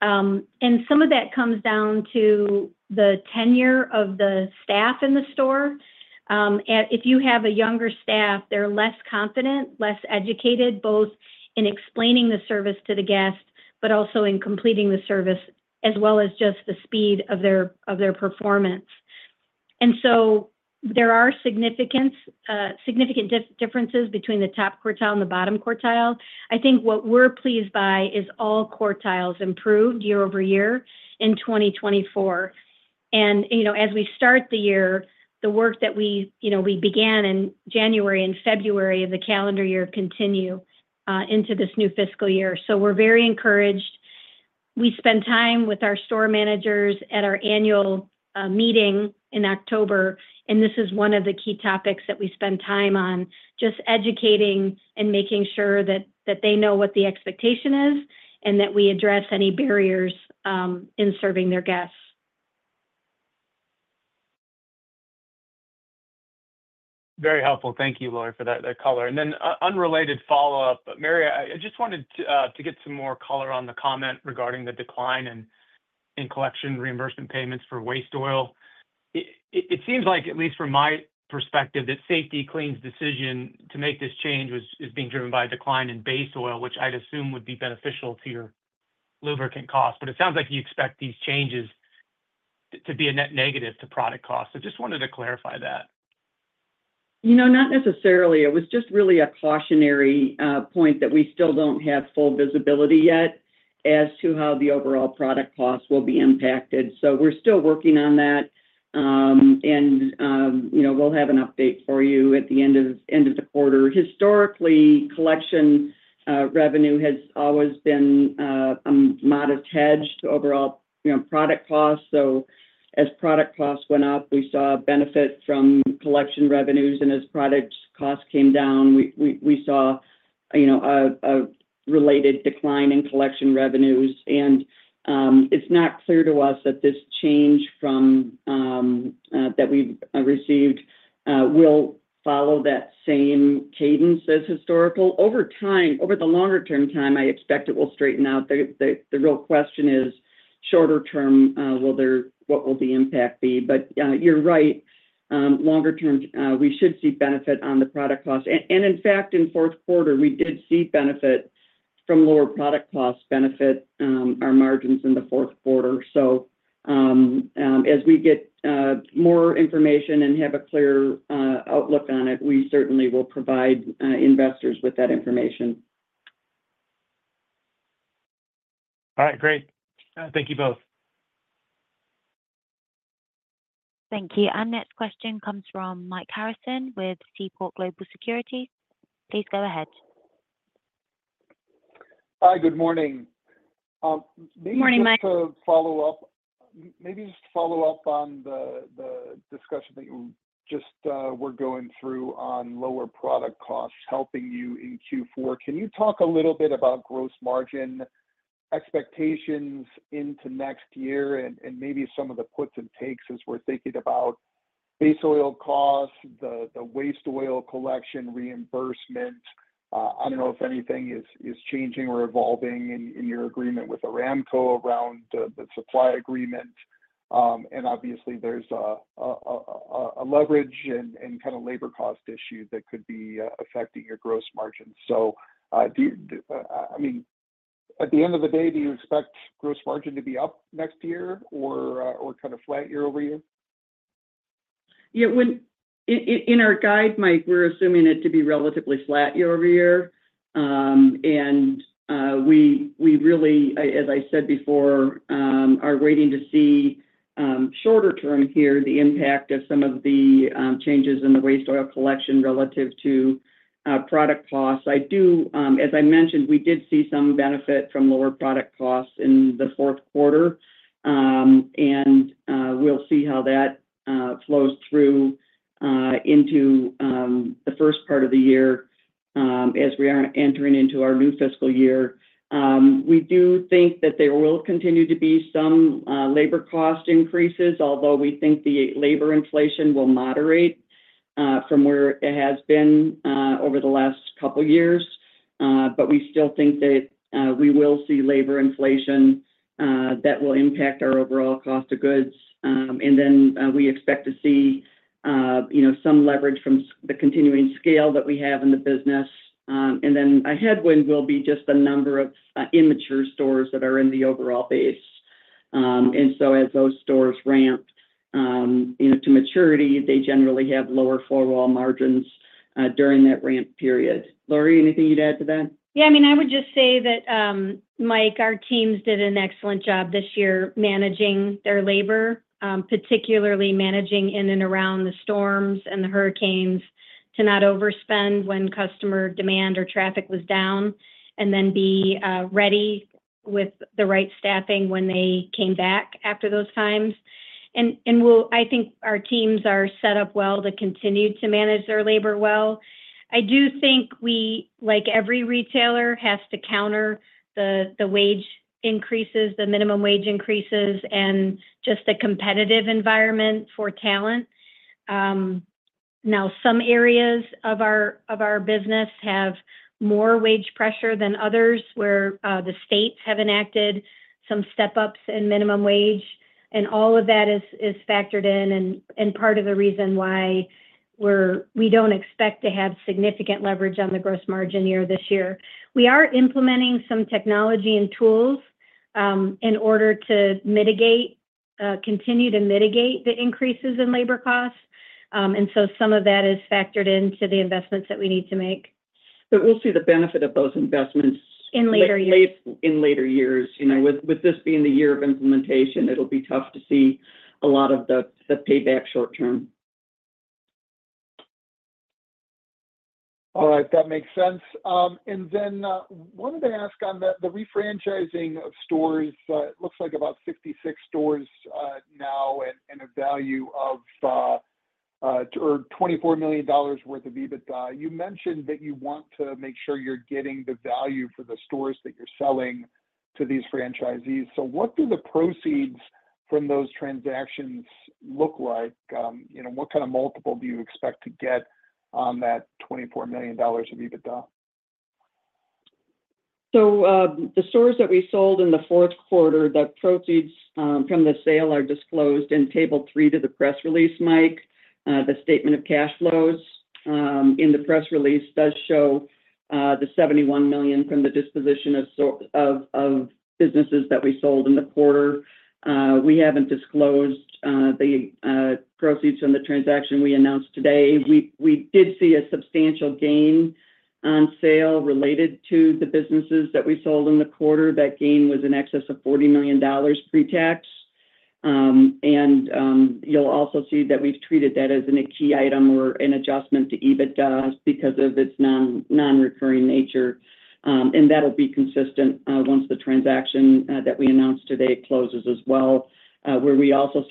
S3: and some of that comes down to the tenure of the staff in the store. If you have a younger staff, they're less confident, less educated, both in explaining the service to the guests, but also in completing the service, as well as just the speed of their performance, and so there are significant differences between the top quartile and the bottom quartile. I think what we're pleased by is all quartiles improved year-over-year in 2024. And as we start the year, the work that we began in January and February of the calendar year continues into this new fiscal year. So we're very encouraged. We spend time with our store managers at our annual meeting in October. And this is one of the key topics that we spend time on, just educating and making sure that they know what the expectation is and that we address any barriers in serving their guests.
S8: Very helpful. Thank you, Lori, for that color. And then unrelated follow-up, Mary, I just wanted to get some more color on the comment regarding the decline in collection reimbursement payments for waste oil. It seems like, at least from my perspective, that Safety-Kleen's decision to make this change is being driven by a decline in base oil, which I'd assume would be beneficial to your lubricant costs. But it sounds like you expect these changes to be a net negative to product costs. So just wanted to clarify that.
S4: Not necessarily. It was just really a cautionary point that we still don't have full visibility yet as to how the overall product costs will be impacted. So we're still working on that. And we'll have an update for you at the end of the quarter. Historically, collection revenue has always been a modest hedge to overall product costs. So as product costs went up, we saw a benefit from collection revenues. And as product costs came down, we saw a related decline in collection revenues. And it's not clear to us that this change that we've received will follow that same cadence as historical. Over time, over the longer-term time, I expect it will straighten out. The real question is, shorter term, what will the impact be? But you're right. Longer term, we should see benefit on the product costs. In fact, in fourth quarter, we did see benefit from lower product costs, benefit our margins in the fourth quarter. As we get more information and have a clear outlook on it, we certainly will provide investors with that information.
S8: All right. Great. Thank you both.
S1: Thank you. Our next question comes from Mike Harrison with Seaport Global Securities. Please go ahead.
S9: Hi, good morning.
S3: Good morning, Mike.
S9: Maybe just to follow up on the discussion that you just were going through on lower product costs helping you in Q4. Can you talk a little bit about gross margin expectations into next year and maybe some of the puts and takes as we're thinking about base oil costs, the waste oil collection reimbursement? I don't know if anything is changing or evolving in your agreement with Aramco around the supply agreement. And obviously, there's a leverage and kind of labor cost issue that could be affecting your gross margin. So I mean, at the end of the day, do you expect gross margin to be up next year or kind of flat year-over-year?
S4: Yeah. In our guide, Mike, we're assuming it to be relatively flat year-over-year. And we really, as I said before, are waiting to see shorter term here the impact of some of the changes in the waste oil collection relative to product costs. As I mentioned, we did see some benefit from lower product costs in the fourth quarter. And we'll see how that flows through into the first part of the year as we are entering into our new fiscal year. We do think that there will continue to be some labor cost increases, although we think the labor inflation will moderate from where it has been over the last couple of years. But we still think that we will see labor inflation that will impact our overall cost of goods. And then we expect to see some leverage from the continuing scale that we have in the business. And then a headwind will be just the number of immature stores that are in the overall base. And so as those stores ramp to maturity, they generally have lower four-wall margins during that ramp period. Lori, anything you'd add to that?
S3: Yeah. I mean, I would just say that, Mike, our teams did an excellent job this year managing their labor, particularly managing in and around the storms and the hurricanes to not overspend when customer demand or traffic was down, and then be ready with the right staffing when they came back after those times. And I think our teams are set up well to continue to manage their labor well. I do think we, like every retailer, have to counter the wage increases, the minimum wage increases, and just the competitive environment for talent. Now, some areas of our business have more wage pressure than others where the states have enacted some step-ups in minimum wage. And all of that is factored in and part of the reason why we don't expect to have significant leverage on the gross margin year-over-year this year. We are implementing some technology and tools in order to continue to mitigate the increases in labor costs, and so some of that is factored into the investments that we need to make.
S4: But we'll see the benefit of those investments.
S2: In later years.
S4: In later years. With this being the year of implementation, it'll be tough to see a lot of the payback short term.
S9: All right. That makes sense. And then I wanted to ask on the refranchising of stores. It looks like about 66 stores now and a value of $24 million worth of EBITDA. You mentioned that you want to make sure you're getting the value for the stores that you're selling to these franchisees. So what do the proceeds from those transactions look like? What kind of multiple do you expect to get on that $24 million of EBITDA?
S4: So the stores that we sold in the fourth quarter, the proceeds from the sale are disclosed in table three to the press release, Mike. The statement of cash flows in the press release does show the $71 million from the disposition of businesses that we sold in the quarter. We haven't disclosed the proceeds from the transaction we announced today. We did see a substantial gain on sale related to the businesses that we sold in the quarter. That gain was in excess of $40 million pre-tax. And you'll also see that we've treated that as a key item or an adjustment to EBITDA because of its non-recurring nature. And that'll be consistent once the transaction that we announced today closes as well, where we also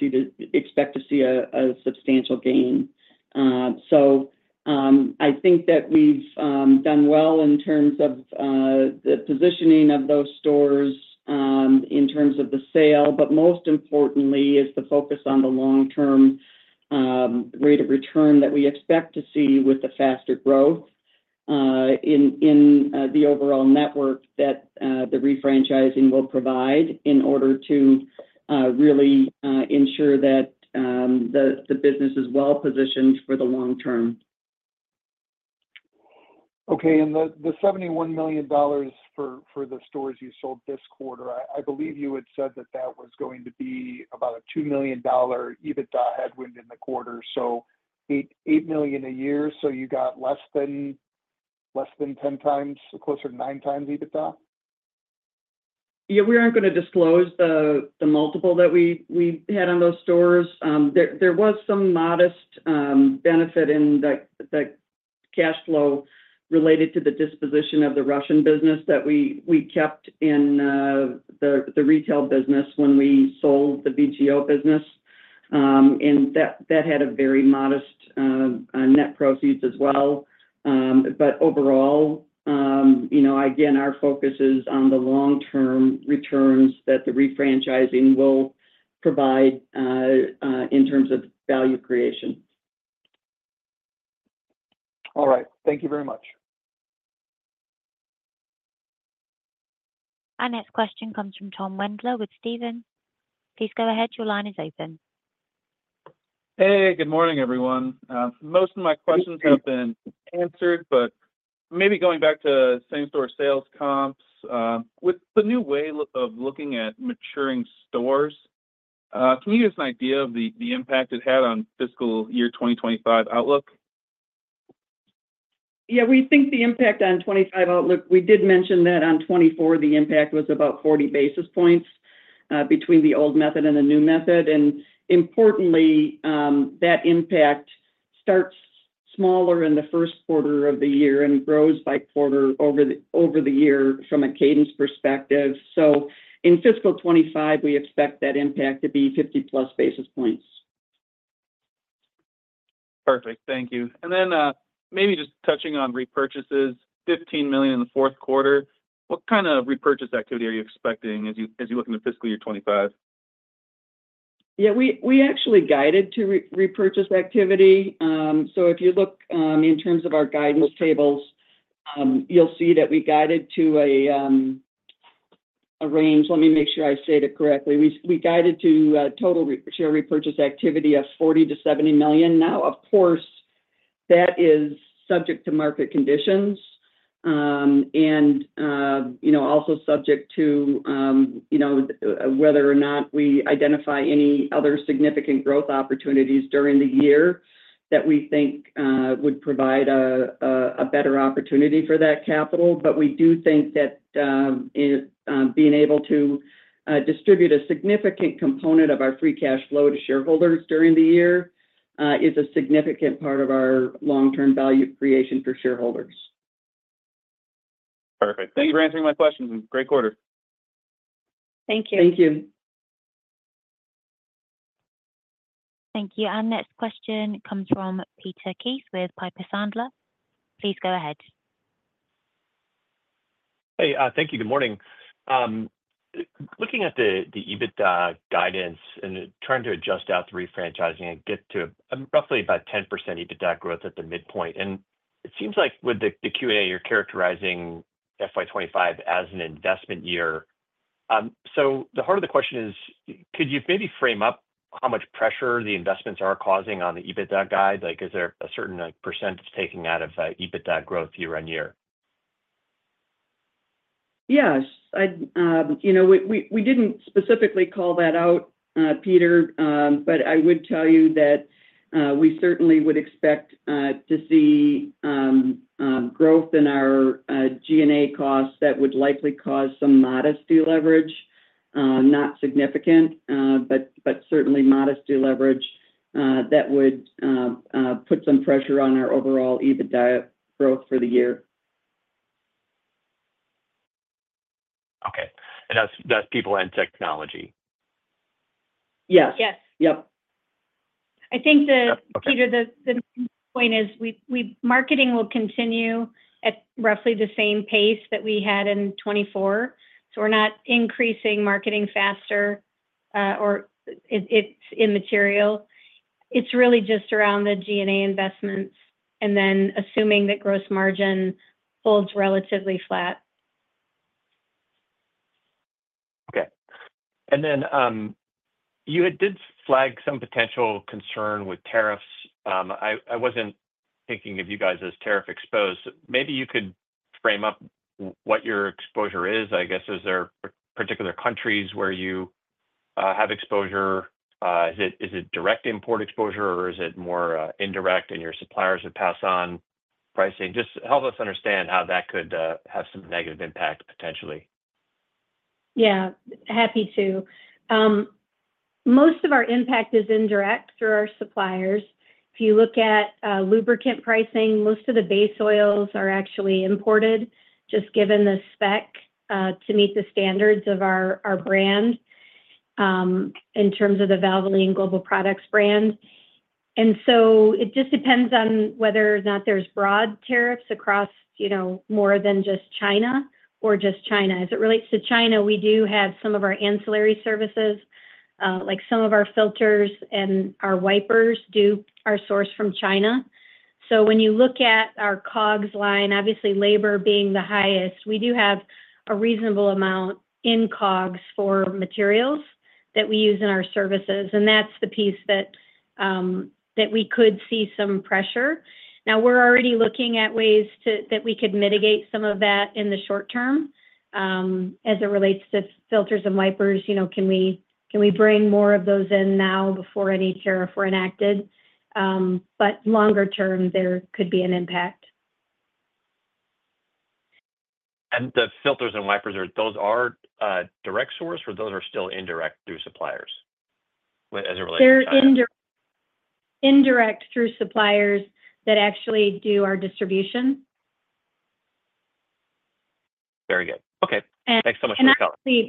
S4: expect to see a substantial gain. I think that we've done well in terms of the positioning of those stores in terms of the sale. Most importantly, is the focus on the long-term rate of return that we expect to see with the faster growth in the overall network that the refranchising will provide in order to really ensure that the business is well positioned for the long term.
S9: Okay. And the $71 million for the stores you sold this quarter, I believe you had said that that was going to be about a $2 million EBITDA headwind in the quarter. So $8 million a year. So you got less than 10 times, closer to 9 times EBITDA?
S4: Yeah. We aren't going to disclose the multiple that we had on those stores. There was some modest benefit in the cash flow related to the disposition of the Russian business that we kept in the retail business when we sold the VGO business. And that had a very modest net proceeds as well. But overall, again, our focus is on the long-term returns that the refranchising will provide in terms of value creation.
S9: All right. Thank you very much.
S1: Our next question comes from Tom Wendler with Stephens. Please go ahead. Your line is open.
S10: Hey, good morning, everyone. Most of my questions have been answered, but maybe going back to same-store sales comps, with the new way of looking at maturing stores, can you give us an idea of the impact it had on fiscal year 2025 outlook?
S4: Yeah. We think the impact on 2025 outlook, we did mention that on 2024, the impact was about 40 basis points between the old method and the new method. And importantly, that impact starts smaller in the first quarter of the year and grows by quarter over the year from a cadence perspective. So in fiscal 2025, we expect that impact to be 50+ basis points.
S10: Perfect. Thank you. And then maybe just touching on repurchases, $15 million in the fourth quarter. What kind of repurchase activity are you expecting as you look into fiscal year 2025?
S4: Yeah. We actually guided to repurchase activity. So if you look in terms of our guidance tables, you'll see that we guided to a range. Let me make sure I say it correctly. We guided to total share repurchase activity of $40-$70 million. Now, of course, that is subject to market conditions and also subject to whether or not we identify any other significant growth opportunities during the year that we think would provide a better opportunity for that capital. But we do think that being able to distribute a significant component of our free cash flow to shareholders during the year is a significant part of our long-term value creation for shareholders.
S10: Perfect. Thank you for answering my questions. Great quarter.
S1: Thank you.
S4: Thank you.
S1: Thank you. Our next question comes from Peter Keith with Piper Sandler. Please go ahead.
S11: Hey. Thank you. Good morning. Looking at the EBITDA guidance and trying to adjust out the refranchising and get to roughly about 10% EBITDA growth at the midpoint, and it seems like with the Q&A, you're characterizing FY25 as an investment year. So the heart of the question is, could you maybe frame up how much pressure the investments are causing on the EBITDA guide? Is there a certain percentage taking out of EBITDA growth year on year?
S4: Yes. We didn't specifically call that out, Peter, but I would tell you that we certainly would expect to see growth in our G&A costs that would likely cause some modest deleverage, not significant, but certainly modest deleverage that would put some pressure on our overall EBITDA growth for the year.
S11: Okay. And that's people and technology?
S4: Yes.
S3: Yes. Yep. I think, Peter, the main point is marketing will continue at roughly the same pace that we had in 2024. So we're not increasing marketing faster or it's immaterial. It's really just around the G&A investments and then assuming that gross margin holds relatively flat.
S11: Okay. And then you did flag some potential concern with tariffs. I wasn't thinking of you guys as tariff exposed. Maybe you could frame up what your exposure is. I guess, is there particular countries where you have exposure? Is it direct import exposure, or is it more indirect in your suppliers who pass on pricing? Just help us understand how that could have some negative impact potentially.
S3: Yeah. Happy to. Most of our impact is indirect through our suppliers. If you look at lubricant pricing, most of the base oils are actually imported just given the spec to meet the standards of our brand in terms of the Valvoline Global Products brand. And so it just depends on whether or not there's broad tariffs across more than just China or just China. As it relates to China, we do have some of our ancillary services. Some of our filters and our wipers are sourced from China. So when you look at our COGS line, obviously, labor being the highest, we do have a reasonable amount in COGS for materials that we use in our services. And that's the piece that we could see some pressure. Now, we're already looking at ways that we could mitigate some of that in the short term as it relates to filters and wipers. Can we bring more of those in now before any tariffs were enacted? But longer term, there could be an impact.
S11: The filters and wipers, those are direct source, or those are still indirect through suppliers as it relates to?
S3: They're indirect through suppliers that actually do our distribution.
S11: Very good. Okay. Thanks so much for your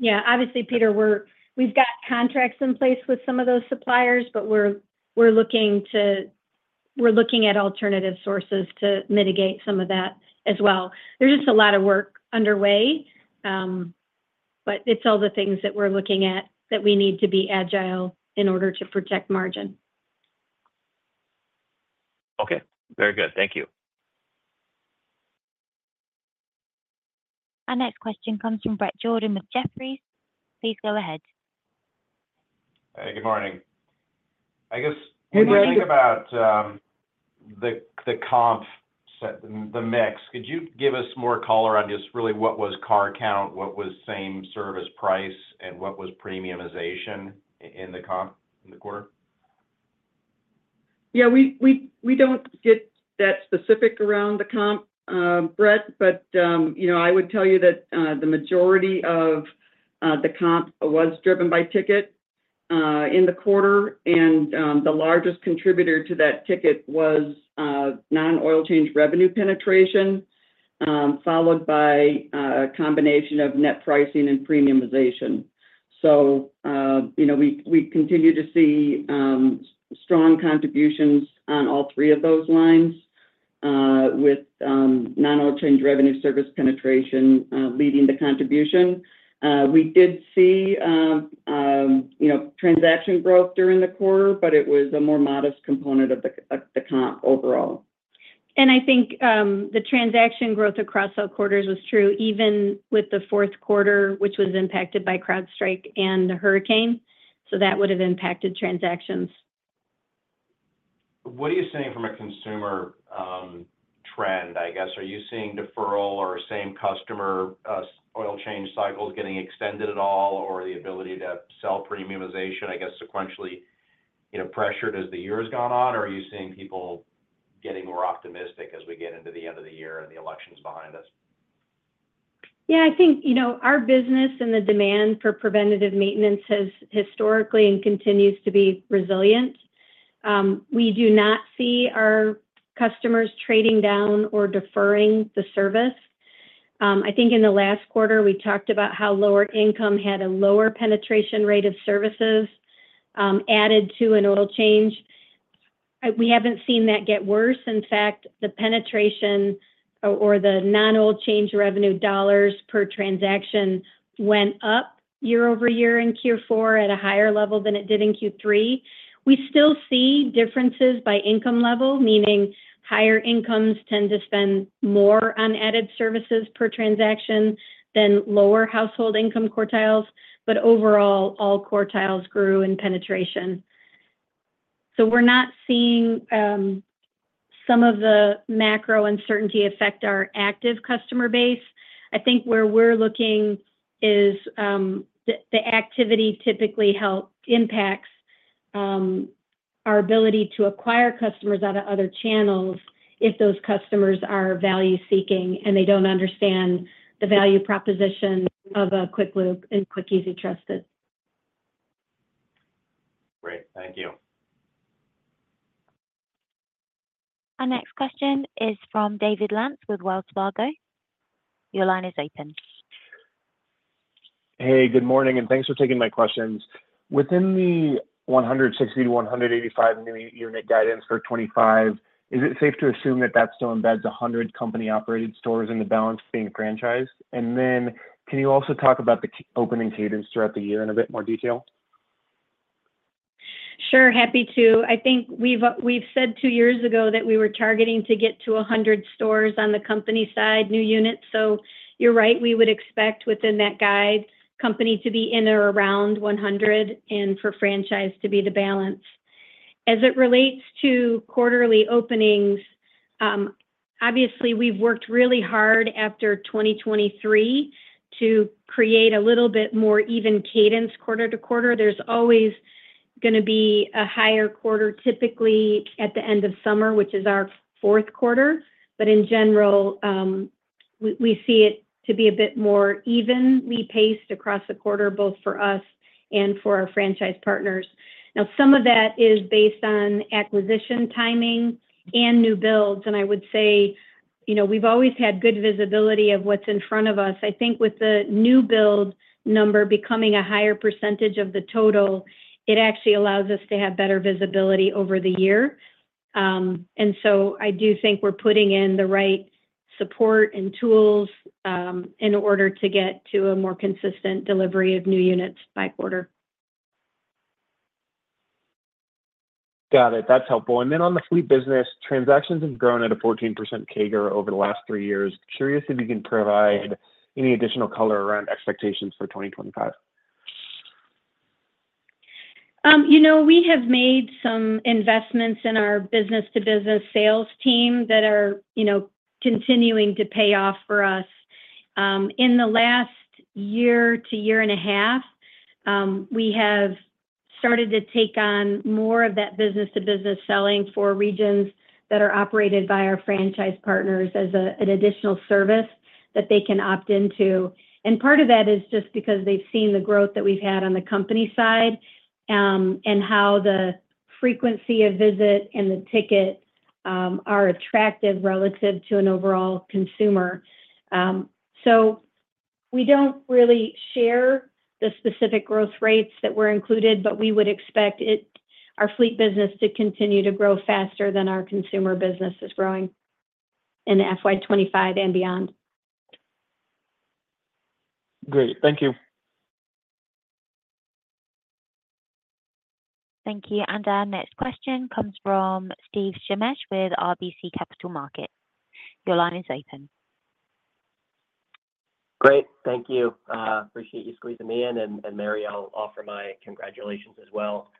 S11: comment.
S3: Obviously, Peter, we've got contracts in place with some of those suppliers, but we're looking at alternative sources to mitigate some of that as well. There's just a lot of work underway, but it's all the things that we're looking at that we need to be agile in order to protect margin.
S11: Okay. Very good. Thank you.
S1: Our next question comes from Bret Jordan with Jefferies. Please go ahead.
S12: Hey. Good morning. I guess when you think about the comp, the mix, could you give us more color on just really what was car count, what was same service price, and what was premiumization in the comp in the quarter?
S4: Yeah. We don't get that specific around the comp, Brett, but I would tell you that the majority of the comp was driven by ticket in the quarter. And the largest contributor to that ticket was non-oil change revenue penetration, followed by a combination of net pricing and premiumization. So we continue to see strong contributions on all three of those lines with non-oil change revenue service penetration leading the contribution. We did see transaction growth during the quarter, but it was a more modest component of the comp overall.
S3: And I think the transaction growth across all quarters was true even with the fourth quarter, which was impacted by CrowdStrike and the hurricane. So that would have impacted transactions.
S12: What are you seeing from a consumer trend, I guess? Are you seeing deferral or same customer oil change cycles getting extended at all, or the ability to sell premiumization, I guess, sequentially pressured as the year has gone on? Or are you seeing people getting more optimistic as we get into the end of the year and the election's behind us?
S3: Yeah. I think our business and the demand for preventative maintenance has historically and continues to be resilient. We do not see our customers trading down or deferring the service. I think in the last quarter, we talked about how lower income had a lower penetration rate of services added to an oil change. We haven't seen that get worse. In fact, the penetration or the non-oil change revenue dollars per transaction went up year-over-year in Q4 at a higher level than it did in Q3. We still see differences by income level, meaning higher incomes tend to spend more on added services per transaction than lower household income quartiles. But overall, all quartiles grew in penetration. So we're not seeing some of the macro uncertainty affect our active customer base. I think where we're looking is the activity typically impacts our ability to acquire customers out of other channels if those customers are value-seeking and they don't understand the value proposition of a quick lube and Quick, Easy, Trusted.
S12: Great. Thank you.
S1: Our next question is from David Lantz with Wells Fargo. Your line is open.
S13: Hey. Good morning. And thanks for taking my questions. Within the 160-185 new unit guidance for 2025, is it safe to assume that that still embeds 100 company-operated stores in the balance being franchised? And then can you also talk about the opening cadence throughout the year in a bit more detail?
S3: Sure. Happy to. I think we've said two years ago that we were targeting to get to 100 stores on the company side, new units. So you're right. We would expect within that guide company to be in or around 100 and for franchise to be the balance. As it relates to quarterly openings, obviously, we've worked really hard after 2023 to create a little bit more even cadence quarter to quarter. There's always going to be a higher quarter typically at the end of summer, which is our fourth quarter. But in general, we see it to be a bit more evenly paced across the quarter, both for us and for our franchise partners. Now, some of that is based on acquisition timing and new builds. And I would say we've always had good visibility of what's in front of us. I think with the new build number becoming a higher percentage of the total, it actually allows us to have better visibility over the year, and so I do think we're putting in the right support and tools in order to get to a more consistent delivery of new units by quarter.
S13: Got it. That's helpful. And then on the fleet business, transactions have grown at a 14% CAGR over the last three years. Curious if you can provide any additional color around expectations for 2025.
S3: We have made some investments in our business-to-business sales team that are continuing to pay off for us. In the last year to year and a half, we have started to take on more of that business-to-business selling for regions that are operated by our franchise partners as an additional service that they can opt into, and part of that is just because they've seen the growth that we've had on the company side and how the frequency of visit and the ticket are attractive relative to an overall consumer, so we don't really share the specific growth rates that were included, but we would expect our fleet business to continue to grow faster than our consumer business is growing in FY25 and beyond.
S13: Great. Thank you.
S1: Thank you. And our next question comes from Steve Shemesh with RBC Capital Markets. Your line is open.
S14: Great. Thank you. Appreciate you squeezing me in. And Mary, I'll offer my congratulations as well.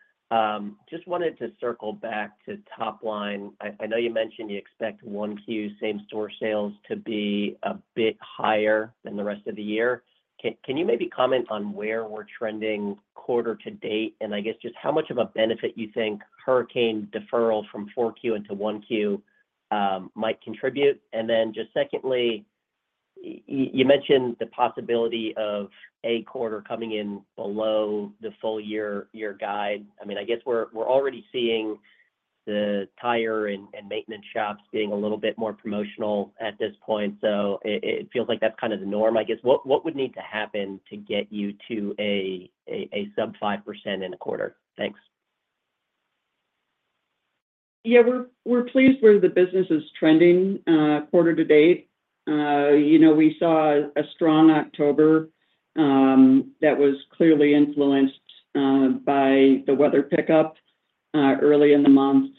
S14: Just wanted to circle back to top line. I know you mentioned you expect 1Q same-store sales to be a bit higher than the rest of the year. Can you maybe comment on where we're trending quarter to date? And I guess just how much of a benefit you think hurricane deferral from 4Q into 1Q might contribute? And then just secondly, you mentioned the possibility of a quarter coming in below the full year guide. I mean, I guess we're already seeing the tire and maintenance shops being a little bit more promotional at this point. So it feels like that's kind of the norm, I guess. What would need to happen to get you to a sub 5% in a quarter? Thanks.
S4: Yeah. We're pleased with the business's trending quarter to date. We saw a strong October that was clearly influenced by the weather pickup early in the month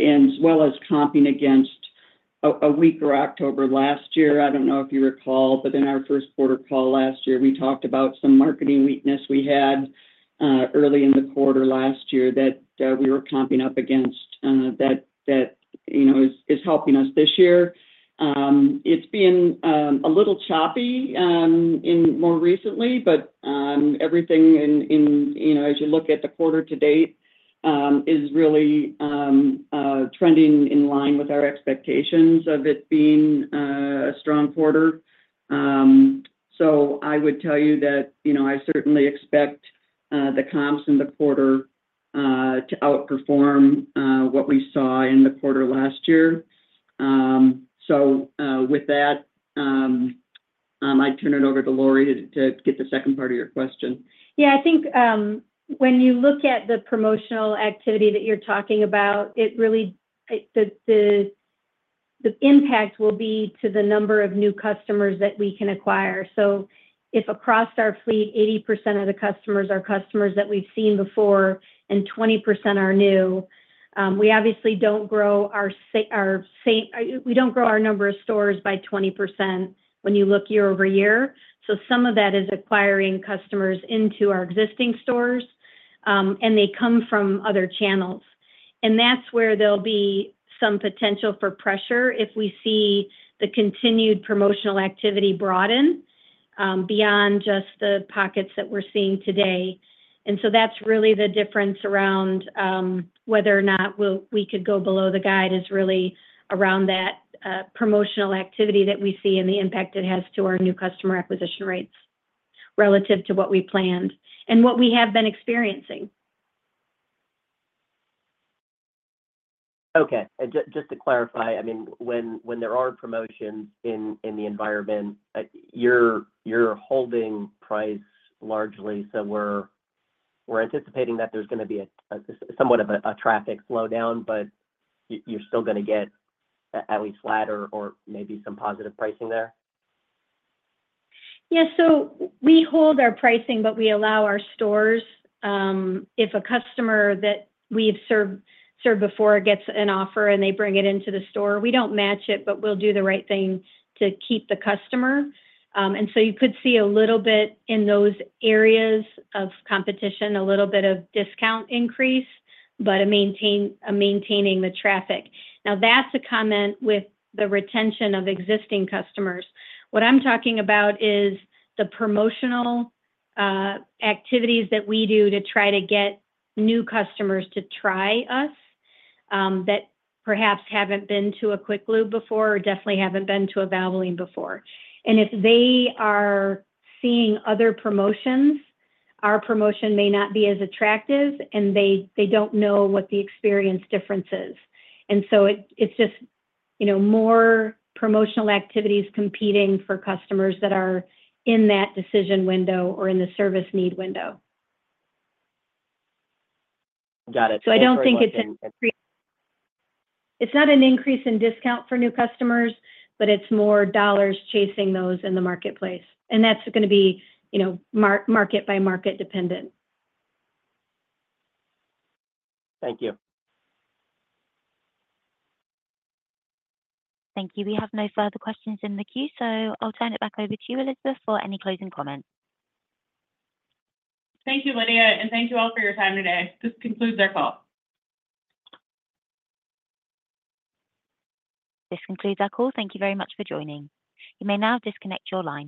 S4: as well as comping against a weaker October last year. I don't know if you recall, but in our first quarter call last year, we talked about some marketing weakness we had early in the quarter last year that we were comping up against that is helping us this year. It's been a little choppy more recently, but everything as you look at the quarter to date is really trending in line with our expectations of it being a strong quarter. So I would tell you that I certainly expect the comps in the quarter to outperform what we saw in the quarter last year. So with that, I'd turn it over to Lori to get the second part of your question.
S3: Yeah. I think when you look at the promotional activity that you're talking about, the impact will be to the number of new customers that we can acquire. So if across our fleet, 80% of the customers are customers that we've seen before and 20% are new, we obviously don't grow our number of stores by 20% when you look year-over-year. So some of that is acquiring customers into our existing stores, and they come from other channels. And that's where there'll be some potential for pressure if we see the continued promotional activity broaden beyond just the pockets that we're seeing today. And so that's really the difference around whether or not we could go below the guide is really around that promotional activity that we see and the impact it has to our new customer acquisition rates relative to what we planned and what we have been experiencing.
S14: Okay. And just to clarify, I mean, when there are promotions in the environment, you're holding price largely. So we're anticipating that there's going to be somewhat of a traffic slowdown, but you're still going to get at least flat or maybe some positive pricing there?
S3: Yeah. So we hold our pricing, but we allow our stores. If a customer that we've served before gets an offer and they bring it into the store, we don't match it, but we'll do the right thing to keep the customer. And so you could see a little bit in those areas of competition, a little bit of discount increase, but maintaining the traffic. Now, that's a comment with the retention of existing customers. What I'm talking about is the promotional activities that we do to try to get new customers to try us that perhaps haven't been to a quick lube before or definitely haven't been to a Valvoline before. And if they are seeing other promotions, our promotion may not be as attractive, and they don't know what the experience difference is. It's just more promotional activities competing for customers that are in that decision window or in the service need window.
S14: Got it. Thank you.
S3: So I don't think it's an increase in discount for new customers, but it's more dollars chasing those in the marketplace. And that's going to be market-by-market dependent.
S14: Thank you.
S1: Thank you. We have no further questions in the queue. So I'll turn it back over to you, Elizabeth, for any closing comments.
S2: Thank you, Lydia. And thank you all for your time today. This concludes our call.
S1: This concludes our call. Thank you very much for joining. You may now disconnect your line.